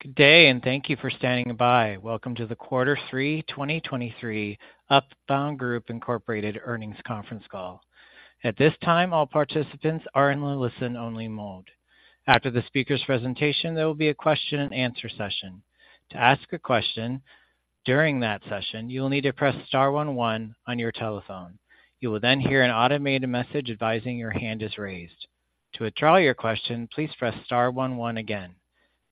Good day, and thank you for standing by. Welcome to the quarter three 2023 Upbound Group Incorporated earnings conference call. At this time, all participants are in a listen-only mode. After the speaker's presentation, there will be a question-and-answer session. To ask a question during that session, you will need to press star one one on your telephone. You will then hear an automated message advising that your hand is raised. To withdraw your question, please press star one one again.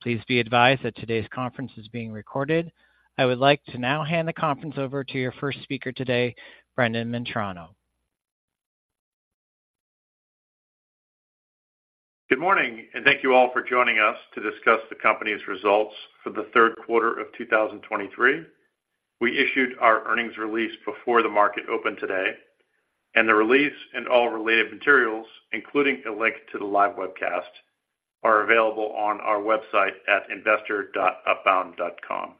Please be advised that today's conference is being recorded. I would like to now hand the conference over to your first speaker today, Brendan Metrano. Good morning, and thank you all for joining us to discuss the company's results for the third quarter of 2023. We issued our earnings release before the market opened today, and the release and all related materials, including a link to the live webcast, are available on our website at investor.upbound.com.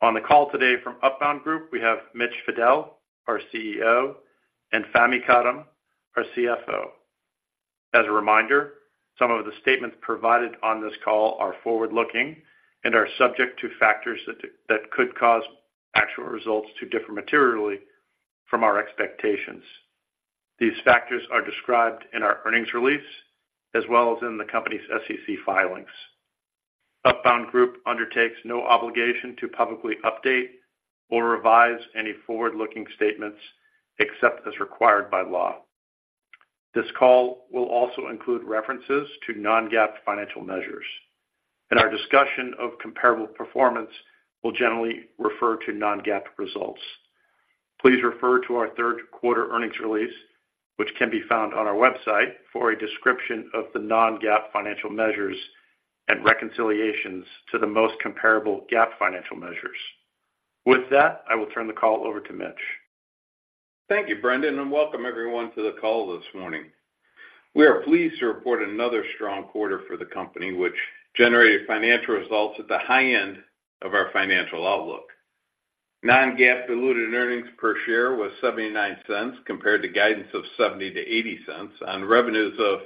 On the call today from Upbound Group, we have Mitch Fadel, our CEO, and Fahmi Karam, our CFO. As a reminder, some of the statements provided on this call are forward-looking and are subject to factors that could cause actual results to differ materially from our expectations. These factors are described in our earnings release as well as in the company's SEC filings. Upbound Group undertakes no obligation to publicly update or revise any forward-looking statements except as required by law. This call will also include references to non-GAAP financial measures, and our discussion of comparable performance will generally refer to non-GAAP results. Please refer to our third quarter earnings release, which can be found on our website, for a description of the non-GAAP financial measures and reconciliations to the most comparable GAAP financial measures. With that, I will turn the call over to Mitch. Thank you, Brendan, and welcome everyone to the call this morning. We are pleased to report another strong quarter for the company, which generated financial results at the high end of our financial outlook. Non-GAAP diluted earnings per share was $0.79 compared to guidance of $0.70-$0.80 on revenues of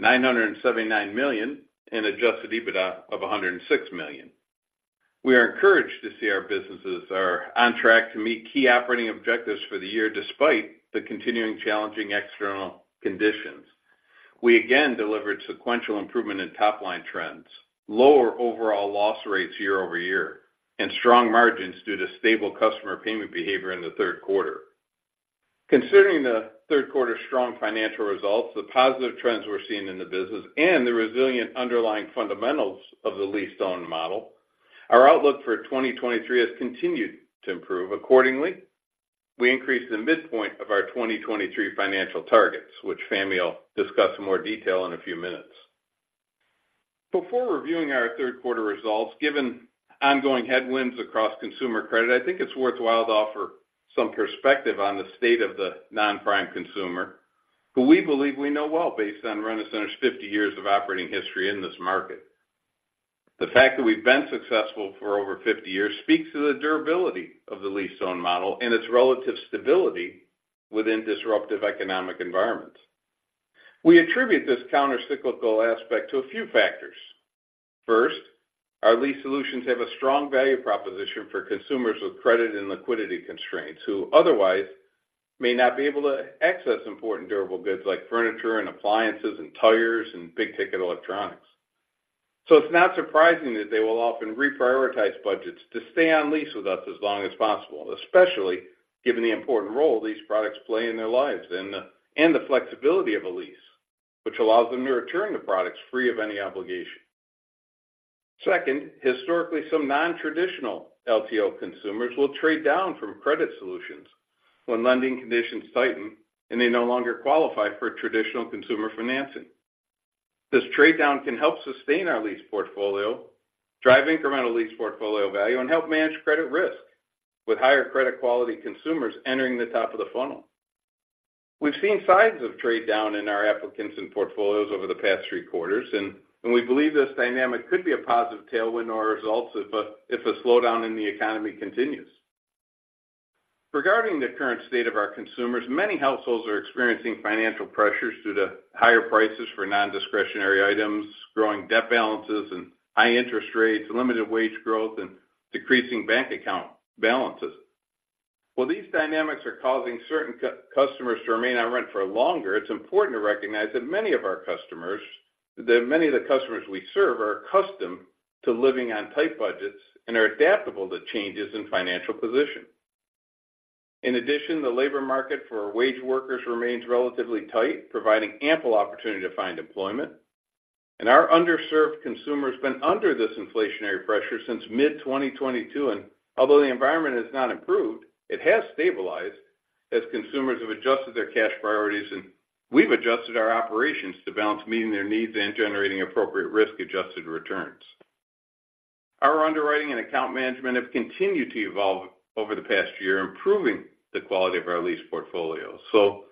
$979 million and Adjusted EBITDA of $106 million. We are encouraged to see our businesses are on track to meet key operating objectives for the year despite the continuing challenging external conditions. We again delivered sequential improvement in top-line trends, lower overall loss rates year-over-year, and strong margins due to stable customer payment behavior in the third quarter. Considering the third quarter's strong financial results, the positive trends we're seeing in the business, and the resilient underlying fundamentals of the lease-to-own model, our outlook for 2023 has continued to improve. Accordingly, we increased the midpoint of our 2023 financial targets, which Fahmi will discuss in more detail in a few minutes. Before reviewing our third quarter results, given ongoing headwinds across consumer credit, I think it's worthwhile to offer some perspective on the state of the non-prime consumer, who we believe we know well based on Rent-A-Center's 50 years of operating history in this market. The fact that we've been successful for over 50 years speaks to the durability of the lease-to-own model and its relative stability within disruptive economic environments. We attribute this countercyclical aspect to a few factors. First, our lease solutions have a strong value proposition for consumers with credit and liquidity constraints, who otherwise may not be able to access important durable goods like furniture and appliances and tires and big-ticket electronics. So it's not surprising that they will often reprioritize budgets to stay on lease with us as long as possible, especially given the important role these products play in their lives and the flexibility of a lease, which allows them to return the products free of any obligation. Second, historically, some nontraditional LTO consumers will trade down from credit solutions when lending conditions tighten and they no longer qualify for traditional consumer financing. This trade-down can help sustain our lease portfolio, drive incremental lease portfolio value, and help manage credit risk with higher credit quality consumers entering the top of the funnel. We've seen signs of trade-down in our applicants and portfolios over the past three quarters, and we believe this dynamic could be a positive tailwind in our results if a slowdown in the economy continues. Regarding the current state of our consumers, many households are experiencing financial pressures due to higher prices for nondiscretionary items, growing debt balances and high interest rates, limited wage growth, and decreasing bank account balances. While these dynamics are causing certain customers to remain on rent for longer, it's important to recognize that many of the customers we serve are accustomed to living on tight budgets and are adaptable to changes in financial position. In addition, the labor market for wage workers remains relatively tight, providing ample opportunity to find employment. Our underserved consumers have been under this inflationary pressure since mid-2022, and although the environment has not improved, it has stabilized as consumers have adjusted their cash priorities, and we've adjusted our operations to balance meeting their needs and generating appropriate risk-adjusted returns. Our underwriting and account management have continued to evolve over the past year, improving the quality of our lease portfolio. So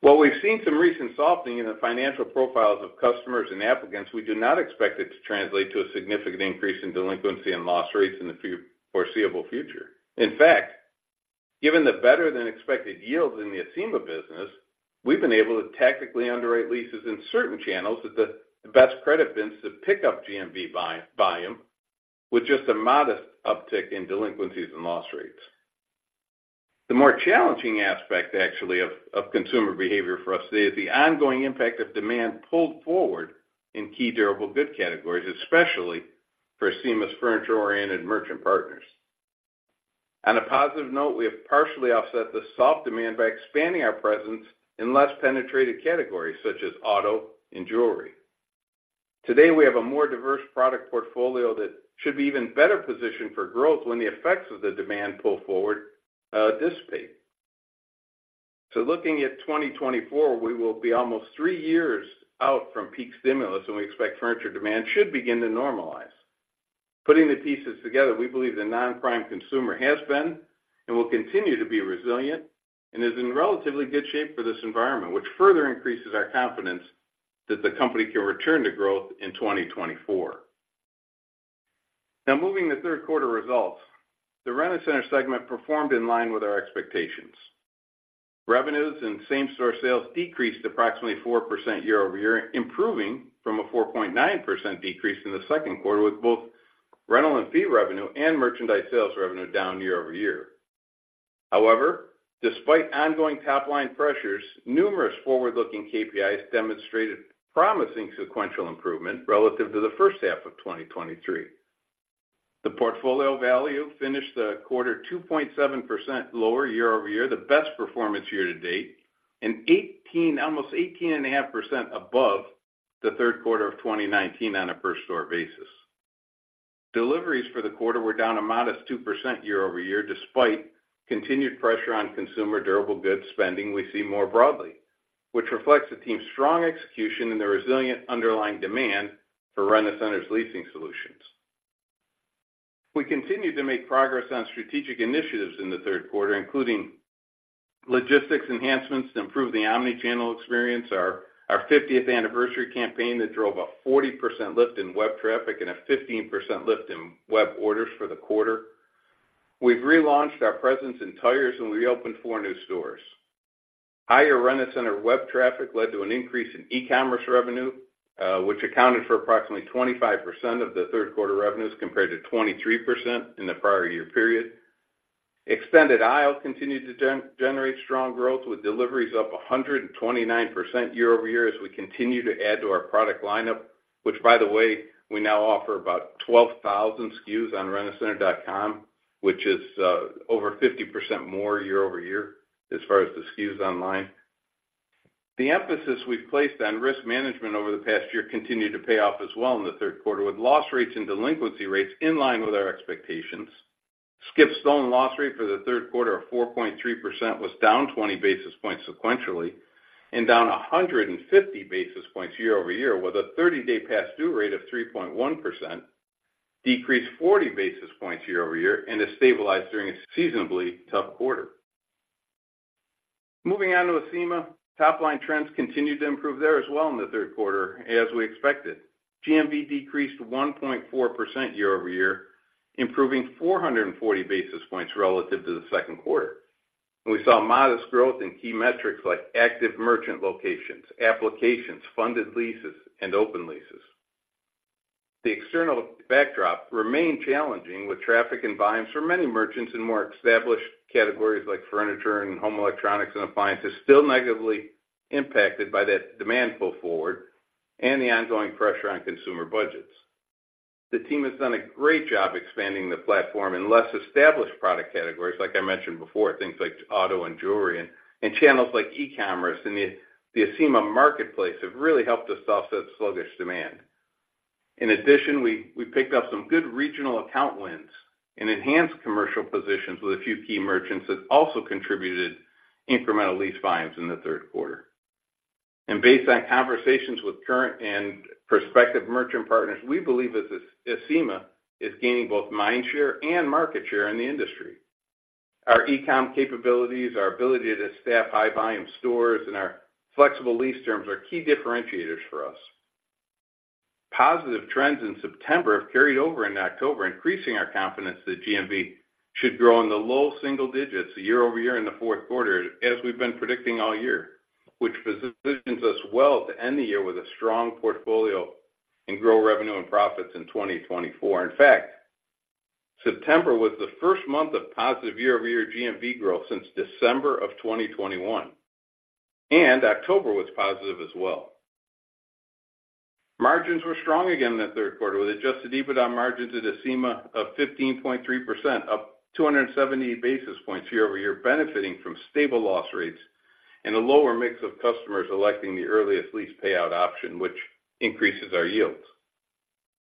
while we've seen some recent softening in the financial profiles of customers and applicants, we do not expect it to translate to a significant increase in delinquency and loss rates in the foreseeable future. In fact, given the better-than-expected yields in the Acima business, we've been able to tactically underwrite leases in certain channels with the best credit bins to pick up GMV buy volume, with just a modest uptick in delinquencies and loss rates. The more challenging aspect, actually, of, of consumer behavior for us today is the ongoing impact of demand pulled forward in key durable good categories, especially for Acima's furniture-oriented merchant partners. On a positive note, we have partially offset the soft demand by expanding our presence in less penetrated categories, such as auto and jewelry. Today, we have a more diverse product portfolio that should be even better positioned for growth when the effects of the demand pull forward dissipate. So, looking at 2024, we will be almost three years out from peak stimulus, and we expect furniture demand should begin to normalize. Putting the pieces together, we believe the non-prime consumer has been and will continue to be resilient and is in relatively good shape for this environment, which further increases our confidence that the company can return to growth in 2024. Now, moving to third quarter results, the Rent-A-Center segment performed in line with our expectations. Revenues and same-store sales decreased approximately 4% year-over-year, improving from a 4.9% decrease in the second quarter, with both rental and fee revenue and merchandise sales revenue down year-over-year. However, despite ongoing top-line pressures, numerous forward-looking KPIs demonstrated promising sequential improvement relative to the first half of 2023. The portfolio value finished the quarter 2.7% lower year-over-year, the best performance year to date, and 18, almost 18.5% above the third quarter of 2019 on a per store basis. Deliveries for the quarter were down a modest 2% year-over-year, despite continued pressure on consumer durable goods spending we see more broadly, which reflects the team's strong execution and the resilient underlying demand for Rent-A-Center's leasing solutions. We continued to make progress on strategic initiatives in the third quarter, including logistics enhancements to improve the omni-channel experience, our 50th anniversary campaign that drove a 40% lift in web traffic and a 15% lift in web orders for the quarter. We've relaunched our presence in tires and reopened 4 new stores. Higher Rent-A-Center web traffic led to an increase in e-commerce revenue, which accounted for approximately 25% of the third quarter revenues, compared to 23% in the prior year period. Extended Aisle continued to generate strong growth, with deliveries up 129% year-over-year as we continue to add to our product lineup, which, by the way, we now offer about 12,000 SKUs on rentacenter.com, which is over 50% more year-over-year as far as the SKUs online. The emphasis we've placed on risk management over the past year continued to pay off as well in the third quarter, with loss rates and delinquency rates in line with our expectations. Skip-stolen loss rate for the third quarter of 4.3% was down 20 basis points sequentially and down 150 basis points year-over-year, with a 30-day past due rate of 3.1%, decreased 40 basis points year-over-year and has stabilized during a seasonally tough quarter. Moving on to Acima. Top-line trends continued to improve there as well in the third quarter, as we expected. GMV decreased 1.4% year-over-year, improving 440 basis points relative to the second quarter. We saw modest growth in key metrics like active merchant locations, applications, funded leases, and open leases. The external backdrop remained challenging, with traffic and volumes for many merchants in more established categories like furniture and home electronics and appliances still negatively impacted by that demand pull forward and the ongoing pressure on consumer budgets. The team has done a great job expanding the platform in less established product categories like I mentioned before, things like auto and jewelry and channels like e-commerce and the Acima MarketPlace have really helped us offset sluggish demand. In addition, we picked up some good regional account wins and enhanced commercial positions with a few key merchants that also contributed incremental lease volumes in the third quarter. Based on conversations with current and prospective merchant partners, we believe that Acima is gaining both mind share and market share in the industry. Our e-com capabilities, our ability to staff high-volume stores, and our flexible lease terms are key differentiators for us. Positive trends in September have carried over into October, increasing our confidence that GMV should grow in the low single digits year-over-year in the fourth quarter, as we've been predicting all year, which positions us well to end the year with a strong portfolio and grow revenue and profits in 2024. In fact, September was the first month of positive year-over-year GMV growth since December of 2021, and October was positive as well. Margins were strong again in the third quarter, with Adjusted EBITDA margins at Acima of 15.3%, up 270 basis points year-over-year, benefiting from stable loss rates and a lower mix of customers electing the earliest lease payout option, which increases our yields.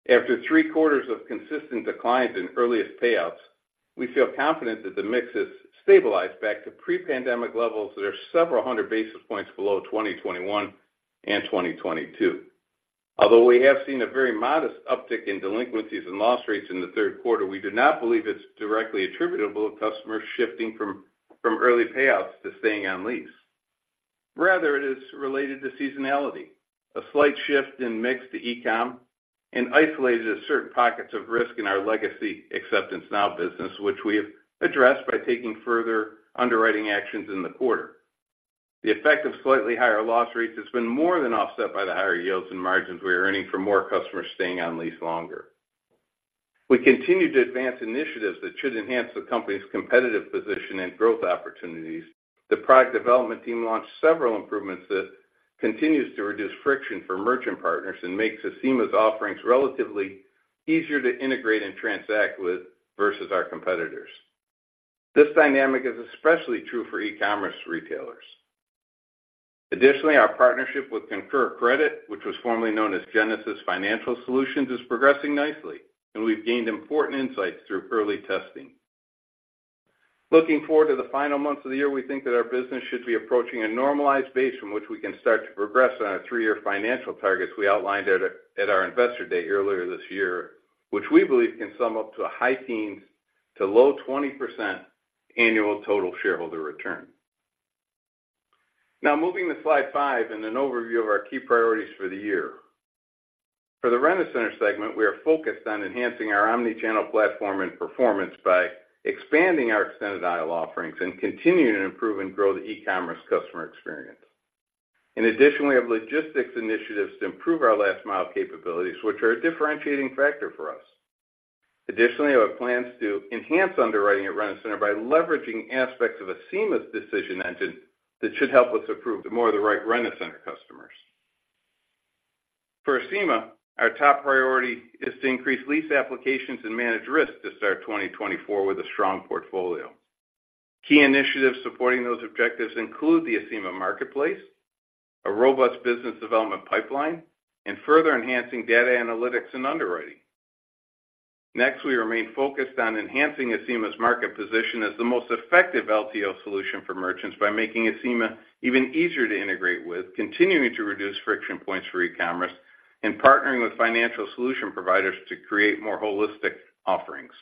After three quarters of consistent declines in earliest payouts, we feel confident that the mix has stabilized back to pre-pandemic levels that are several hundred basis points below 2021 and 2022. Although we have seen a very modest uptick in delinquencies and loss rates in the third quarter, we do not believe it's directly attributable to customers shifting from early payouts to staying on lease. Rather, it is related to seasonality, a slight shift in mix to e-com, and isolated certain pockets of risk in our legacy AcceptanceNOW business, which we have addressed by taking further underwriting actions in the quarter. The effect of slightly higher loss rates has been more than offset by the higher yields and margins we are earning from more customers staying on lease longer. We continue to advance initiatives that should enhance the company's competitive position and growth opportunities. The product development team launched several improvements that continue to reduce friction for merchant partners and make Acima's offerings relatively easier to integrate and transact with versus our competitors. This dynamic is especially true for e-commerce retailers. Additionally, our partnership with Concora Credit, which was formerly known as Genesis Financial Solutions, is progressing nicely, and we've gained important insights through early testing. Looking forward to the final months of the year, we think that our business should be approaching a normalized base from which we can start to progress on our three-year financial targets we outlined at our investor day earlier this year, which we believe can sum up to a high teens to low 20% annual total shareholder return. Now moving to slide five and an overview of our key priorities for the year. For the Rent-A-Center segment, we are focused on enhancing our omni-channel platform and performance by expanding our Extended Aisle offerings and continuing to improve and grow the e-commerce customer experience. In addition, we have logistics initiatives to improve our last-mile capabilities, which are a differentiating factor for us. Additionally, we have plans to enhance underwriting at Rent-A-Center by leveraging aspects of Acima's decision engine that should help us approve the more of the right Rent-A-Center customers. For Acima, our top priority is to increase lease applications and manage risk to start 2024 with a strong portfolio. Key initiatives supporting those objectives include the Acima MarketPlace, a robust business development pipeline, and further enhancing data analytics and underwriting. Next, we remain focused on enhancing Acima's market position as the most effective LTO solution for merchants by making Acima even easier to integrate with, continuing to reduce friction points for e-commerce, and partnering with financial solution providers to create more holistic offerings.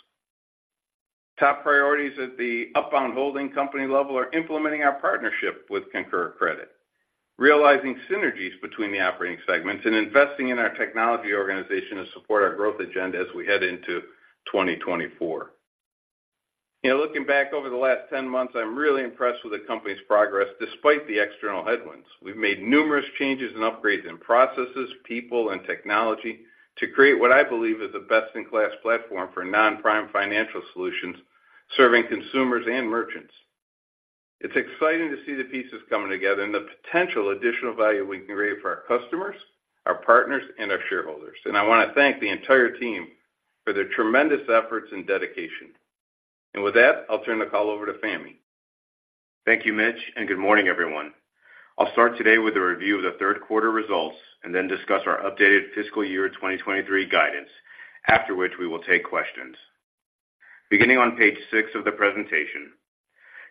Top priorities at the Upbound holding company level are implementing our partnership with Concora Credit, realizing synergies between the operating segments, and investing in our technology organization to support our growth agenda as we head into 2024. You know, looking back over the last 10 months, I'm really impressed with the company's progress, despite the external headwinds. We've made numerous changes and upgrades in processes, people, and technology to create what I believe is a best-in-class platform for non-prime financial solutions, serving consumers and merchants. It's exciting to see the pieces coming together and the potential additional value we can create for our customers, our partners, and our shareholders. And I want to thank the entire team for their tremendous efforts and dedication. And with that, I'll turn the call over to Fahmi. Thank you, Mitch, and good morning, everyone. I'll start today with a review of the third quarter results, and then discuss our updated fiscal year 2023 guidance, after which we will take questions. Beginning on page six of the presentation,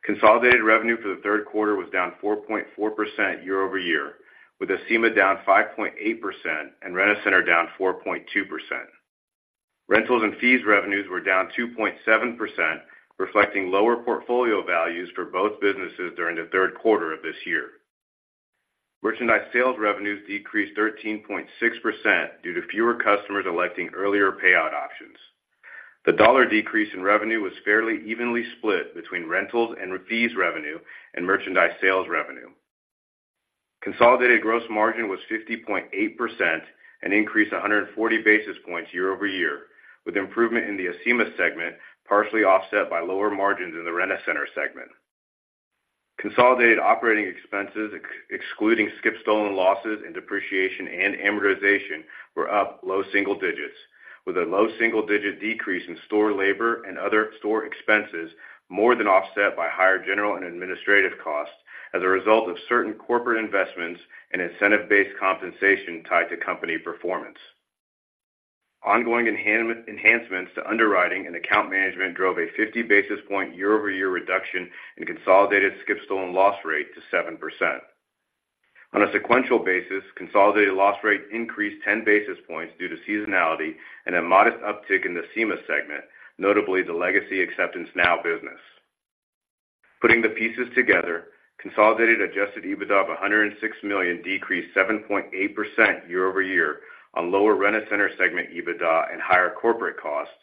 consolidated revenue for the third quarter was down 4.4% year-over-year, with Acima down 5.8% and Rent-A-Center down 4.2%. Rentals and fees revenues were down 2.7%, reflecting lower portfolio values for both businesses during the third quarter of this year. Merchandise sales revenues decreased 13.6% due to fewer customers electing earlier payout options. The dollar decrease in revenue was fairly evenly split between rentals and fees revenue and merchandise sales revenue. Consolidated gross margin was 50.8%, an increase of 140 basis points year-over-year, with improvement in the Acima segment partially offset by lower margins in the Rent-A-Center segment. Consolidated operating expenses, excluding skip stolen losses and depreciation and amortization, were up low single digits, with a low single-digit decrease in store labor and other store expenses more than offset by higher general and administrative costs as a result of certain corporate investments and incentive-based compensation tied to company performance. Ongoing enhancements to underwriting and account management drove a 50 basis point year-over-year reduction in consolidated skip stolen loss rate to 7%. On a sequential basis, consolidated loss rate increased 10 basis points due to seasonality and a modest uptick in the Acima segment, notably the legacy AcceptanceNOW business. Putting the pieces together, consolidated Adjusted EBITDA of $106 million decreased 7.8% year-over-year on lower Rent-A-Center segment EBITDA and higher corporate costs,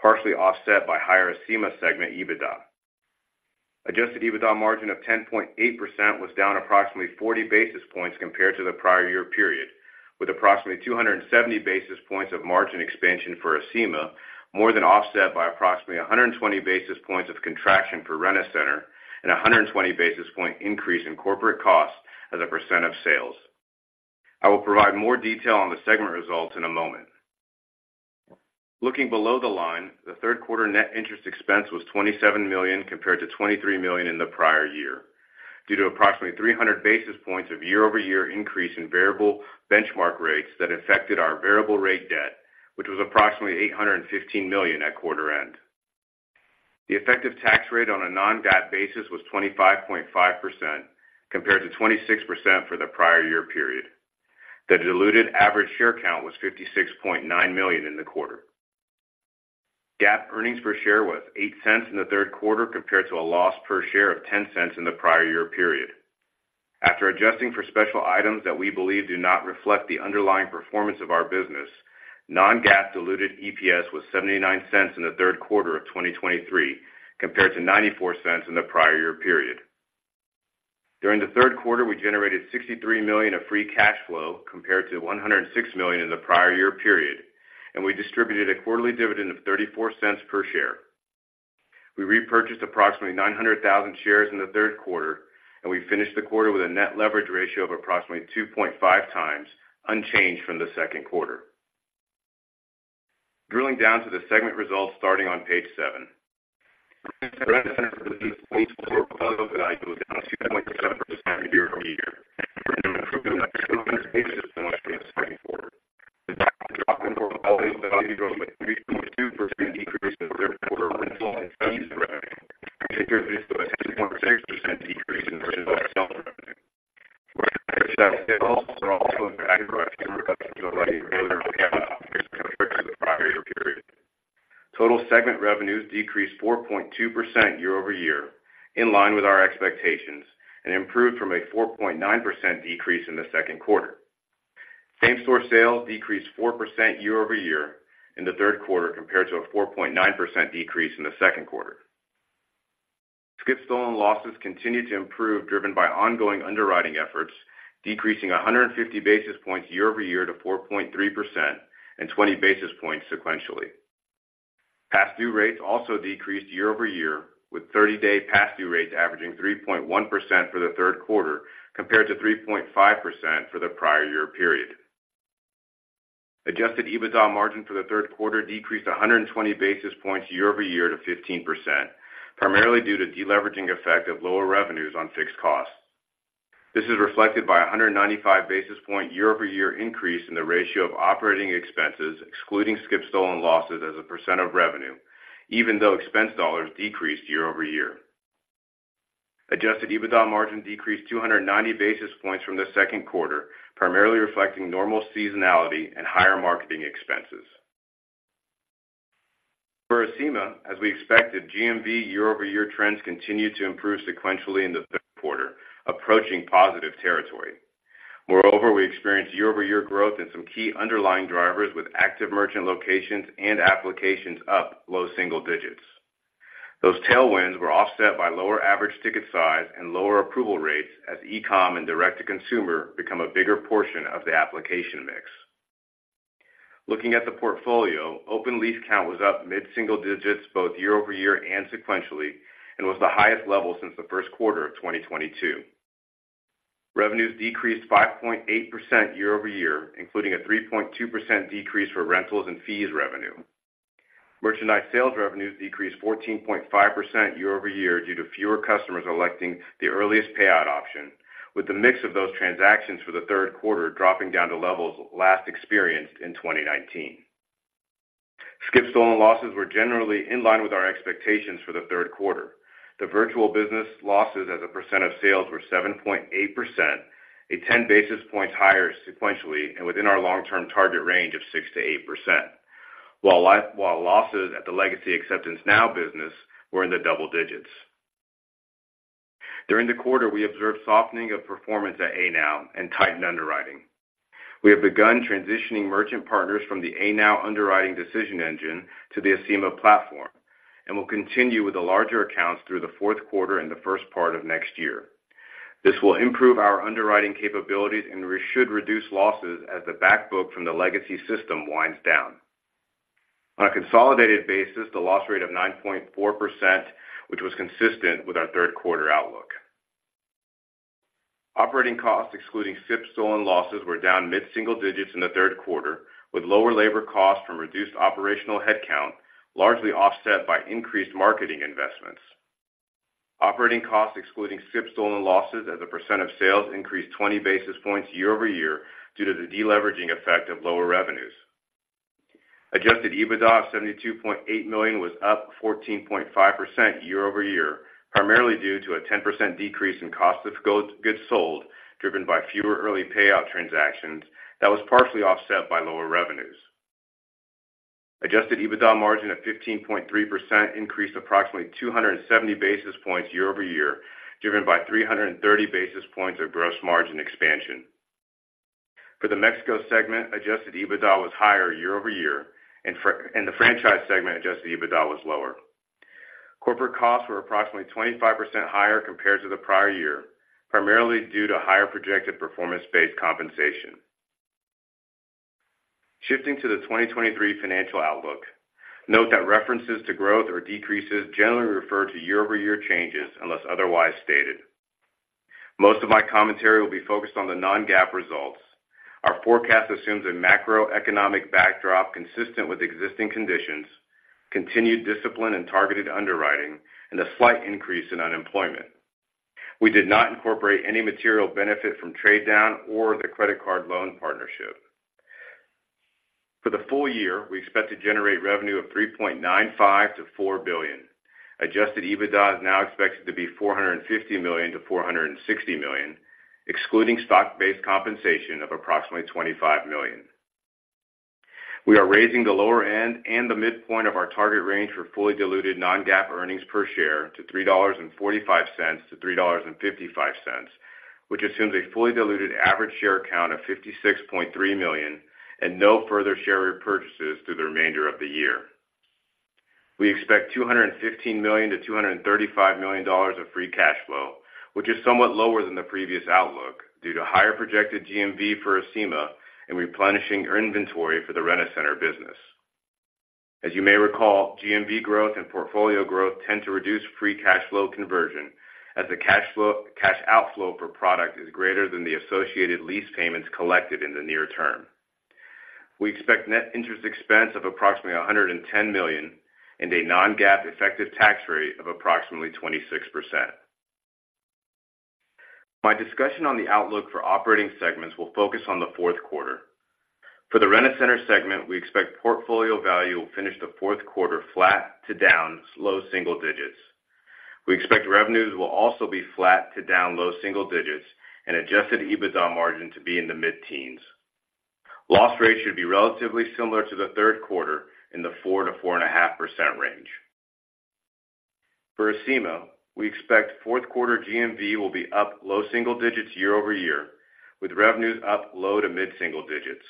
partially offset by higher Acima segment EBITDA. Adjusted EBITDA margin of 10.8% was down approximately 40 basis points compared to the prior year period, with approximately 270 basis points of margin expansion for Acima, more than offset by approximately 120 basis points of contraction for Rent-A-Center and 120 basis point increase in corporate costs as a percent of sales. I will provide more detail on the segment results in a moment. Looking below the line, the third quarter net interest expense was $27 million, compared to $23 million in the prior year, due to approximately 300 basis points of year-over-year increase in variable benchmark rates that affected our variable rate debt, which was approximately $815 million at quarter end. The effective tax rate on a non-GAAP basis was 25.5%, compared to 26% for the prior year period. The diluted average share count was 56.9 million in the quarter. GAAP earnings per share was $0.08 in the third quarter, compared to a loss per share of $0.10 in the prior year period. After adjusting for special items that we believe do not reflect the underlying performance of our business, Non-GAAP diluted EPS was $0.79 in the third quarter of 2023, compared to $0.94 in the prior year period. During the third quarter, we generated $63 million of free cash flow, compared to $106 million in the prior year period, and we distributed a quarterly dividend of $0.34 per share. We repurchased approximately 900,000 shares in the third quarter, and we finished the quarter with a net leverage ratio of approximately 2.5x, unchanged from the second quarter. Drilling down to the segment results starting on page seven. Rent-A-Center portfolio value down 2.7% year-over-year, an improvement basis than what we were expecting for. The drop in overall 3.2% decrease in the third quarter rental fees revenue, compared to a 10.6% decrease in the prior year. Merchandise sales were also impacted by fewer early payouts compared to the prior year period. Total segment revenues decreased 4.2% year-over-year, in line with our expectations, and improved from a 4.9% decrease in the second quarter. Same-store sales decreased 4% year-over-year in the third quarter, compared to a 4.9% decrease in the second quarter. Skip stolen losses continued to improve, driven by ongoing underwriting efforts, decreasing 150 basis points year-over-year to 4.3% and 20 basis points sequentially. Past due rates also decreased year-over-year, with 30-day past due rates averaging 3.1% for the third quarter, compared to 3.5% for the prior year period. Adjusted EBITDA margin for the third quarter decreased 120 basis points year-over-year to 15%, primarily due to deleveraging effect of lower revenues on fixed costs. This is reflected by a 195 basis points year-over-year increase in the ratio of operating expenses, excluding skip stolen losses as a percent of revenue, even though expense dollars decreased year-over-year. Adjusted EBITDA margin decreased 290 basis points from the second quarter, primarily reflecting normal seasonality and higher marketing expenses. For Acima, as we expected, GMV year-over-year trends continued to improve sequentially in the third quarter, approaching positive territory. Moreover, we experienced year-over-year growth in some key underlying drivers with active merchant locations and applications up low single digits. Those tailwinds were offset by lower average ticket size and lower approval rates as e-com and direct-to-consumer become a bigger portion of the application mix. Looking at the portfolio, open lease count was up mid-single digits, both year-over-year and sequentially, and was the highest level since the first quarter of 2022. Revenues decreased 5.8% year-over-year, including a 3.2% decrease for rentals and fees revenue. Merchandise sales revenues decreased 14.5% year-over-year due to fewer customers electing the earliest payout option, with the mix of those transactions for the third quarter dropping down to levels last experienced in 2019. Skip stolen losses were generally in line with our expectations for the third quarter. The virtual business losses as a percent of sales were 7.8%, a 10 basis points higher sequentially, and within our long-term target range of 6%-8%. While losses at the legacy AcceptanceNOW business were in the double digits. During the quarter, we observed oftening of performance at Acceptance Now and tightened underwriting. We have begun transitioning merchant partners from the AcceptanceNOW underwriting decision engine to the Acima platform, and will continue with the larger accounts through the fourth quarter and the first part of next year. This will improve our underwriting capabilities and should reduce losses as the back book from the legacy system winds down. On a consolidated basis, the loss rate of 9.4%, which was consistent with our third quarter outlook. Operating costs, excluding skip stolen losses, were down mid-single digits in the third quarter, with lower labor costs from reduced operational headcount, largely offset by increased marketing investments. Operating costs, excluding skip stolen losses as a percent of sales, increased 20 basis points year-over-year due to the deleveraging effect of lower revenues. Adjusted EBITDA of $72.8 million was up 14.5% year-over-year, primarily due to a 10% decrease in cost of goods sold, driven by fewer early payout transactions that was partially offset by lower revenues. Adjusted EBITDA margin of 15.3% increased approximately 270 basis points year-over-year, driven by 330 basis points of gross margin expansion. For the Mexico segment, Adjusted EBITDA was higher year-over-year, and for the franchise segment, Adjusted EBITDA was lower. Corporate costs were approximately 25% higher compared to the prior year, primarily due to higher projected performance-based compensation. Shifting to the 2023 financial outlook. Note that references to growth or decreases generally refer to year-over-year changes, unless otherwise stated. Most of my commentary will be focused on the non-GAAP results. Our forecast assumes a macroeconomic backdrop consistent with existing conditions, continued discipline and targeted underwriting, and a slight increase in unemployment. We did not incorporate any material benefit from trade down or the credit card loan partnership. For the full year, we expect to generate revenue of $3.95billion-$4 billion. Adjusted EBITDA is now expected to be $450 million-$460 million, excluding stock-based compensation of approximately $25 million. We are raising the lower end and the midpoint of our target range for fully diluted non-GAAP earnings per share to $3.45-$3.55, which assumes a fully diluted average share count of 56.3 million and no further share repurchases through the remainder of the year. We expect $215 million-$235 million of free cash flow, which is somewhat lower than the previous outlook, due to higher projected GMV for Acima and replenishing inventory for the Rent-A-Center business. As you may recall, GMV growth and portfolio growth tend to reduce free cash flow conversion, as the cash flow- cash outflow per product is greater than the associated lease payments collected in the near term. We expect net interest expense of approximately $110 million and a non-GAAP effective tax rate of approximately 26%. My discussion on the outlook for operating segments will focus on the fourth quarter. For the Rent-A-Center segment, we expect portfolio value will finish the fourth quarter flat to down, low single digits. We expect revenues will also be flat to down low single digits and Adjusted EBITDA margin to be in the mid-teens. Loss rates should be relatively similar to the third quarter in the 4%-4.5% range. For Acima, we expect fourth quarter GMV will be up low single digits year-over-year, with revenues up low to mid single digits.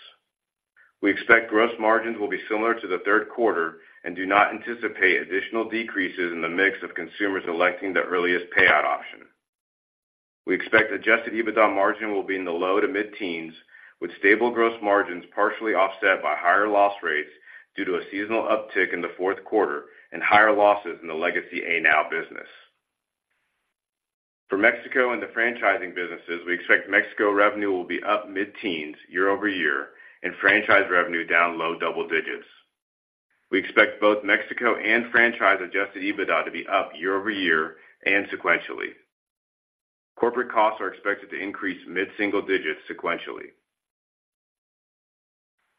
We expect gross margins will be similar to the third quarter and do not anticipate additional decreases in the mix of consumers electing the earliest payout option. We expect Adjusted EBITDA margin will be in the low to mid-teens, with stable gross margins partially offset by higher loss rates due to a seasonal uptick in the fourth quarter and higher losses in the legacy AcceptanceNOW business. For Mexico and the franchising businesses, we expect Mexico revenue will be up mid-teens year-over-year and franchise revenue down low double digits. We expect both Mexico and franchise Adjusted EBITDA to be up year-over-year and sequentially. Corporate costs are expected to increase mid-single digits sequentially.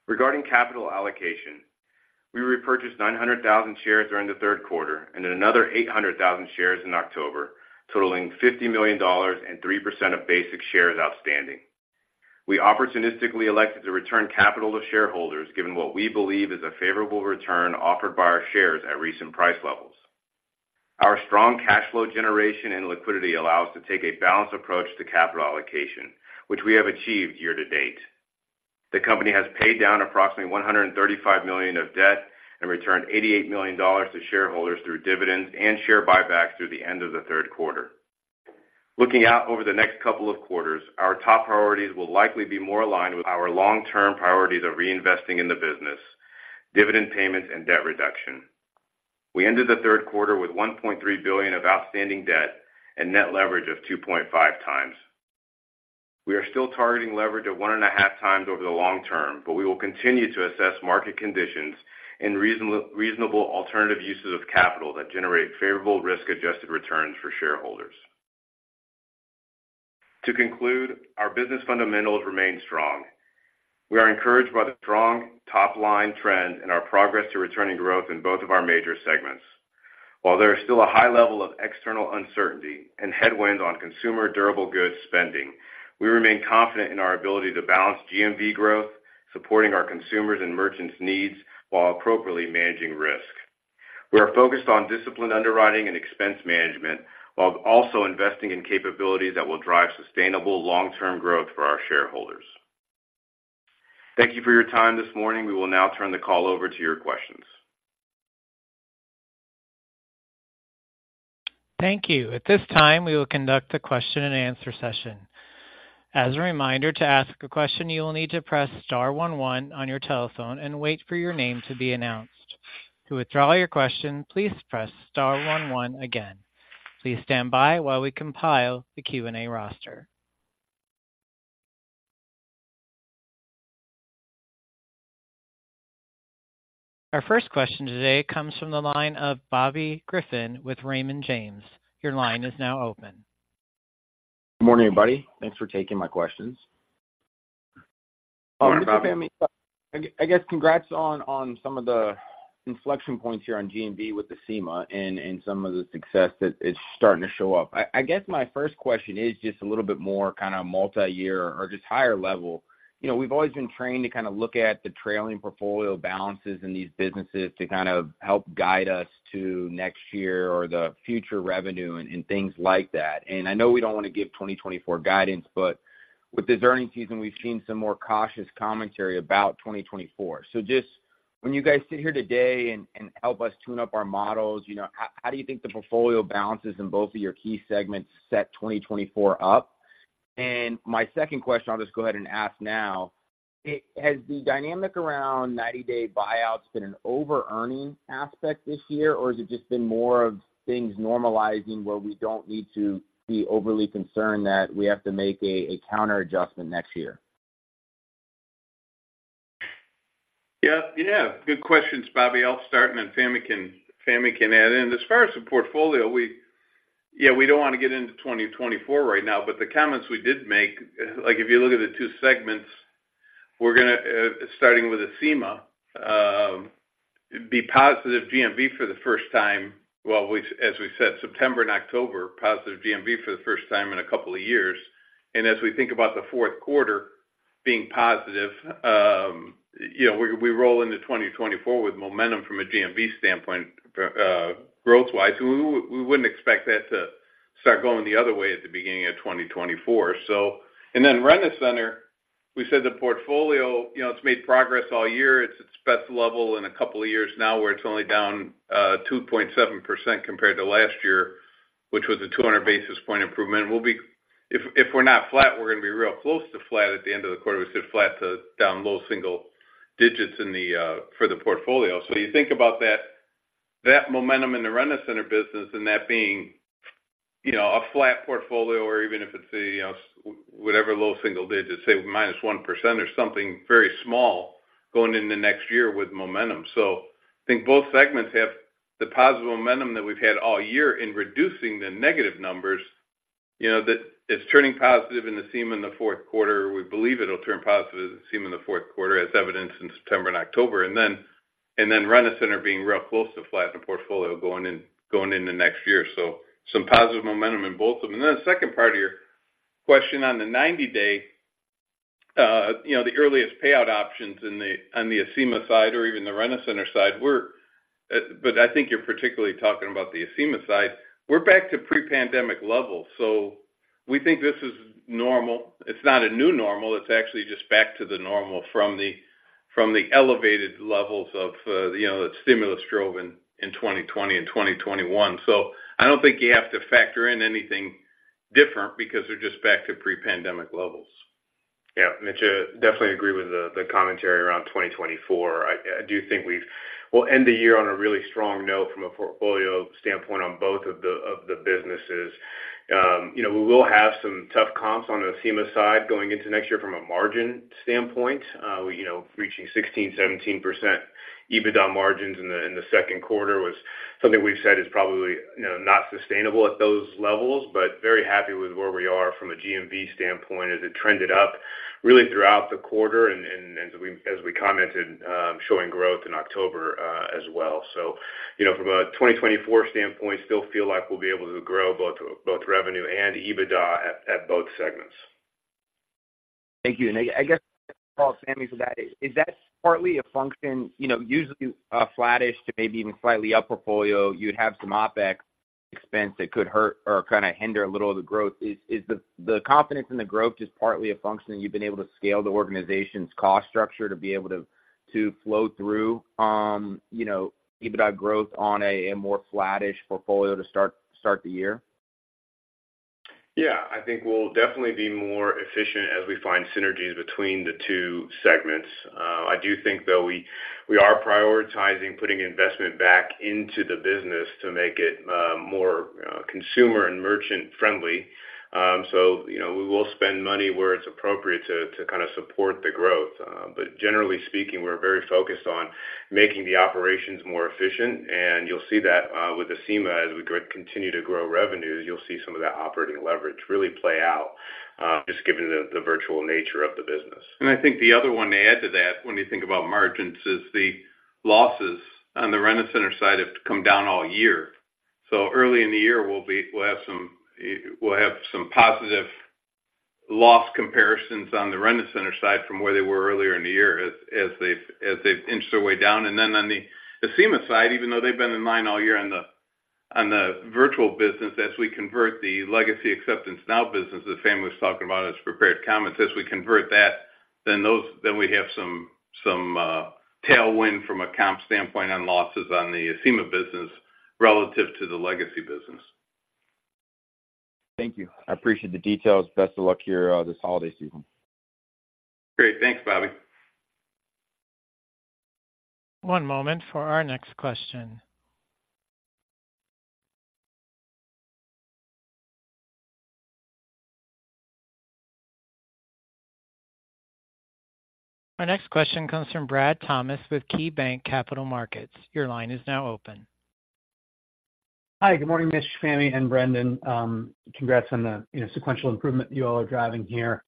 Regarding capital allocation, we repurchased 900,000 shares during the third quarter and another 800,000 shares in October, totaling $50 million and 3% of basic shares outstanding. We opportunistically elected to return capital to shareholders, given what we believe is a favorable return offered by our shares at recent price levels. Our strong cash flow generation and liquidity allows to take a balanced approach to capital allocation, which we have achieved year to date. The company has paid down approximately $135 million of debt and returned $88 million to shareholders through dividends and share buybacks through the end of the third quarter. Looking out over the next couple of quarters, our top priorities will likely be more aligned with our long-term priorities of reinvesting in the business, dividend payments, and debt reduction. We ended the third quarter with $1.3 billion of outstanding debt and net leverage of 2.5x. We are still targeting leverage of 1.5x over the long term, but we will continue to assess market conditions and reasonable alternative uses of capital that generate favorable risk-adjusted returns for shareholders. To conclude, our business fundamentals remain strong. We are encouraged by the strong top-line trend and our progress to returning growth in both of our major segments. While there is still a high level of external uncertainty and headwinds on consumer durable goods spending, we remain confident in our ability to balance GMV growth, supporting our consumers and merchants' needs, while appropriately managing risk. We are focused on disciplined underwriting and expense management, while also investing in capabilities that will drive sustainable long-term growth for our shareholders. Thank you for your time this morning. We will now turn the call over to your questions. Thank you. At this time, we will conduct a question-and-answer session. As a reminder, to ask a question, you will need to press star one one on your telephone and wait for your name to be announced. To withdraw your question, please press star one one again. Please stand by while we compile the Q&A roster. Our first question today comes from the line of Bobby Griffin with Raymond James. Your line is now open. Good morning, everybody. Thanks for taking my questions. Good morning, Bobby. I guess, congrats on some of the inflection points here on GMV with the Acima and some of the success that is starting to show up. I guess my first question is just a little bit more kind of multi-year or just higher level. You know, we've always been trained to kinda look at the trailing portfolio balances in these businesses to kind of help guide us to next year or the future revenue and things like that. I know we don't want to give 2024 guidance, but with this earnings season, we've seen some more cautious commentary about 2024. So just when you guys sit here today and help us tune up our models, you know, how do you think the portfolio balances in both of your key segments set 2024 up? My second question, I'll just go ahead and ask now: Has the dynamic around 90-day buyouts been an overearning aspect this year, or has it just been more of things normalizing, where we don't need to be overly concerned that we have to make a counter adjustment next year? Yeah. Yeah, good questions, Bobby. I'll start, and then Fahmi can add in. As far as the portfolio, we, yeah, we don't want to get into 2024 right now, but the comments we did make, like, if you look at the two segments-... We're gonna starting with Acima be positive GMV for the first time. As we said, September and October, positive GMV for the first time in a couple of years. And as we think about the fourth quarter being positive, you know, we roll into 2024 with momentum from a GMV standpoint, growth-wise. We wouldn't expect that to start going the other way at the beginning of 2024. So, and then Rent-A-Center, we said the portfolio, you know, it's made progress all year. It's its best level in a couple of years now, where it's only down 2.7% compared to last year, which was a 200 basis point improvement. We'll be. If we're not flat, we're gonna be real close to flat at the end of the quarter. We said flat to down low single digits in the for the portfolio. So you think about that, that momentum in the Rent-A-Center business and that being, you know, a flat portfolio, or even if it's a, you know, whatever, low single-digits, say, minus 1% or something very small, going into next year with momentum. So I think both segments have the positive momentum that we've had all year in reducing the negative numbers. You know, that it's turning positive in the Acima in the fourth quarter. We believe it'll turn positive in the Acima in the fourth quarter, as evidenced in September and October. And then, and then Rent-A-Center being real close to flat in the portfolio going in, going into next year. So some positive momentum in both of them. And then the second part of your question on the 90-day, you know, the earliest payout options in the on the Acima side or even the Rent-A-Center side, we're. But I think you're particularly talking about the Acima side. We're back to pre-pandemic levels, so we think this is normal. It's not a new normal, it's actually just back to the normal from the, from the elevated levels of, you know, the stimulus driven in 2020 and 2021. So I don't think you have to factor in anything different because they're just back to pre-pandemic levels. Yeah, Mitch, I definitely agree with the commentary around 2024. I do think we'll end the year on a really strong note from a portfolio standpoint on both of the businesses. You know, we will have some tough comps on the Acima side going into next year from a margin standpoint. You know, reaching 16%-17% EBITDA margins in the second quarter was something we've said is probably, you know, not sustainable at those levels, but very happy with where we are from a GMV standpoint, as it trended up really throughout the quarter, and as we commented, showing growth in October, as well. So, you know, from a 2024 standpoint, still feel like we'll be able to grow both revenue and EBITDA at both segments. Thank you. And I guess call Fahmi for that. Is that partly a function? You know, usually a flattish to maybe even slightly up portfolio, you'd have some OpEx expense that could hurt or kinda hinder a little of the growth. Is the confidence in the growth just partly a function that you've been able to scale the organization's cost structure to be able to flow through, you know, EBITDA growth on a more flattish portfolio to start the year? Yeah, I think we'll definitely be more efficient as we find synergies between the two segments. I do think, though, we are prioritizing putting investment back into the business to make it more consumer and merchant friendly. So, you know, we will spend money where it's appropriate to kinda support the growth. But generally speaking, we're very focused on making the operations more efficient, and you'll see that with Acima, as we continue to grow revenues, you'll see some of that operating leverage really play out, just given the virtual nature of the business. And I think the other one to add to that, when you think about margins, is the losses on the Rent-A-Center side have come down all year. So early in the year, we'll have some positive loss comparisons on the Rent-A-Center side from where they were earlier in the year, as they've inched their way down. And then on the Acima side, even though they've been in line all year on the virtual business, as we convert the legacy AcceptanceNOW business, as Fahmi was talking about his prepared comments, as we convert that, then we have some tailwind from a comp standpoint on losses on the Acima business relative to the legacy business. Thank you. I appreciate the details. Best of luck here, this holiday season. Great. Thanks, Bobby. One moment for our next question. My next question comes from Brad Thomas with KeyBanc Capital Markets. Your line is now open. Hi, good morning, Mitch, Fahmi, and Brendan. Congrats on the, you know, sequential improvement you all are driving here.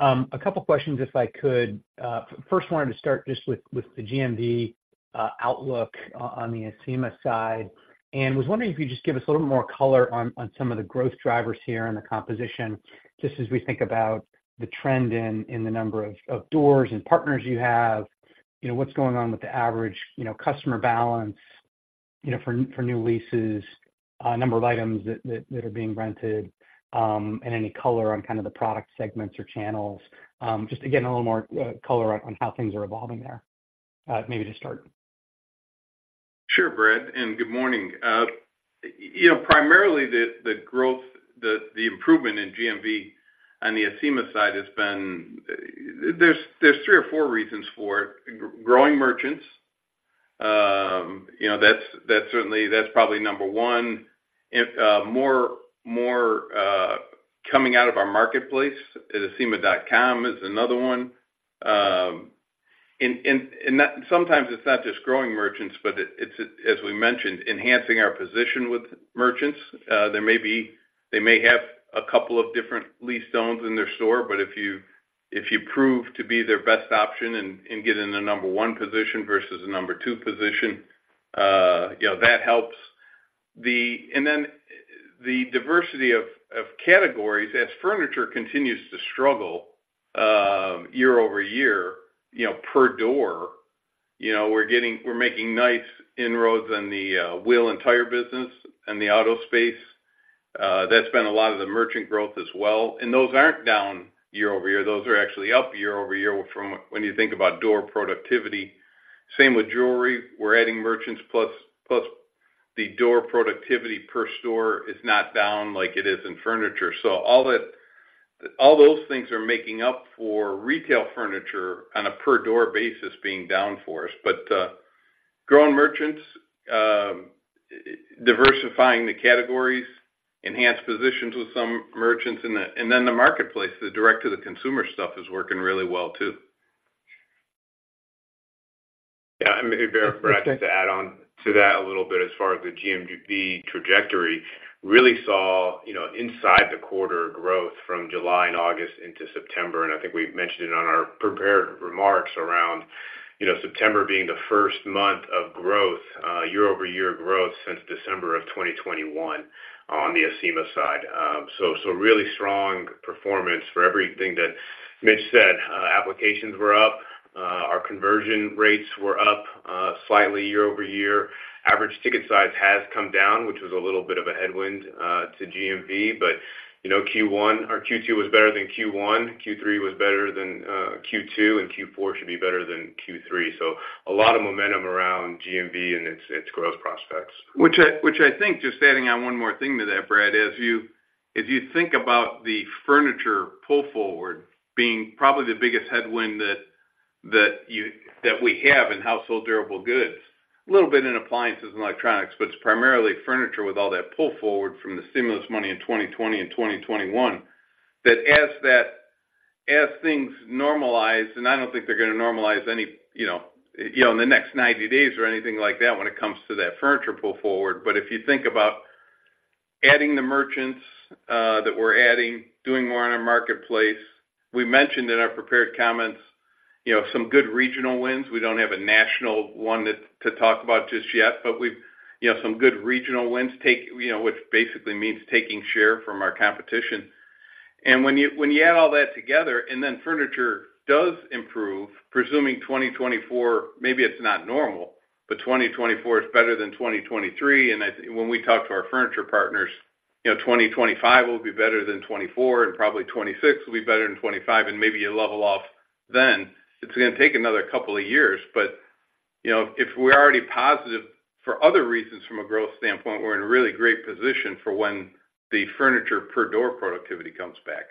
A couple of questions, if I could. First, wanted to start just with the GMV outlook on the Acima side. And was wondering if you could just give us a little more color on some of the growth drivers here and the composition, just as we think about the trend in the number of doors and partners you have. You know, what's going on with the average, you know, customer balance, you know, for new leases, number of items that are being rented, and any color on kind of the product segments or channels. Just to get a little more color on how things are evolving there, maybe to start. Sure, Brad, and good morning. You know, primarily, the growth, the improvement in GMV on the Acima side has been. There's three or four reasons for it. Growing merchants, you know, that's certainly, that's probably number one. And more coming out of our marketplace, Acima.com is another one. And that sometimes it's not just growing merchants, but it's, as we mentioned, enhancing our position with merchants. There may be, they may have a couple of different lease zones in their store, but if you prove to be their best option and get in the number one position versus a number two position, you know, that helps. And then the diversity of, of categories as furniture continues to struggle, year-over-year, you know, per door, you know, we're making nice inroads in the, wheel and tire business and the auto space. That's been a lot of the merchant growth as well. And those aren't down year-over-year. Those are actually up year-over-year from when you think about door productivity. Same with jewelry. We're adding merchants plus, plus the door productivity per store is not down like it is in furniture. So all those things are making up for retail furniture on a per-door basis being down for us. But, growing merchants, diversifying the categories, enhanced positions with some merchants, and then the marketplace, the direct-to-the-consumer stuff is working really well, too. Yeah, and maybe, Brad, just to add on to that a little bit, as far as the GMV trajectory, really saw, you know, inside the quarter growth from July and August into September, and I think we've mentioned it on our prepared remarks around, you know, September being the first month of growth, year-over-year growth since December of 2021 on the Acima side. So, so really strong performance for everything that Mitch said. Applications were up, our conversion rates were up, slightly year-over-year. Average ticket size has come down, which was a little bit of a headwind, to GMV, but, you know, Q1. Our Q2 was better than Q1, Q3 was better than, Q2, and Q4 should be better than Q3. So a lot of momentum around GMV and its, its growth prospects. Which I think, just adding on one more thing to that, Brad, as you, if you think about the furniture pull forward being probably the biggest headwind that we have in household durable goods, a little bit in appliances and electronics, but it's primarily furniture with all that pull forward from the stimulus money in 2020 and 2021, that as things normalize, and I don't think they're going to normalize any, you know, in the next 90 days or anything like that when it comes to that furniture pull forward. But if you think about adding the merchants that we're adding, doing more on our marketplace. We mentioned in our prepared comments, you know, some good regional wins. We don't have a national one to talk about just yet, but we've, you know, some good regional wins, you know, which basically means taking share from our competition. And when you add all that together, and then furniture does improve, presuming 2024, maybe it's not normal, but 2024 is better than 2023. And I think when we talk to our furniture partners, you know, 2025 will be better than 2024, and probably 2026 will be better than 2025, and maybe you level off then. It's going to take another couple of years, but, you know, if we're already positive for other reasons from a growth standpoint, we're in a really great position for when the furniture per door productivity comes back.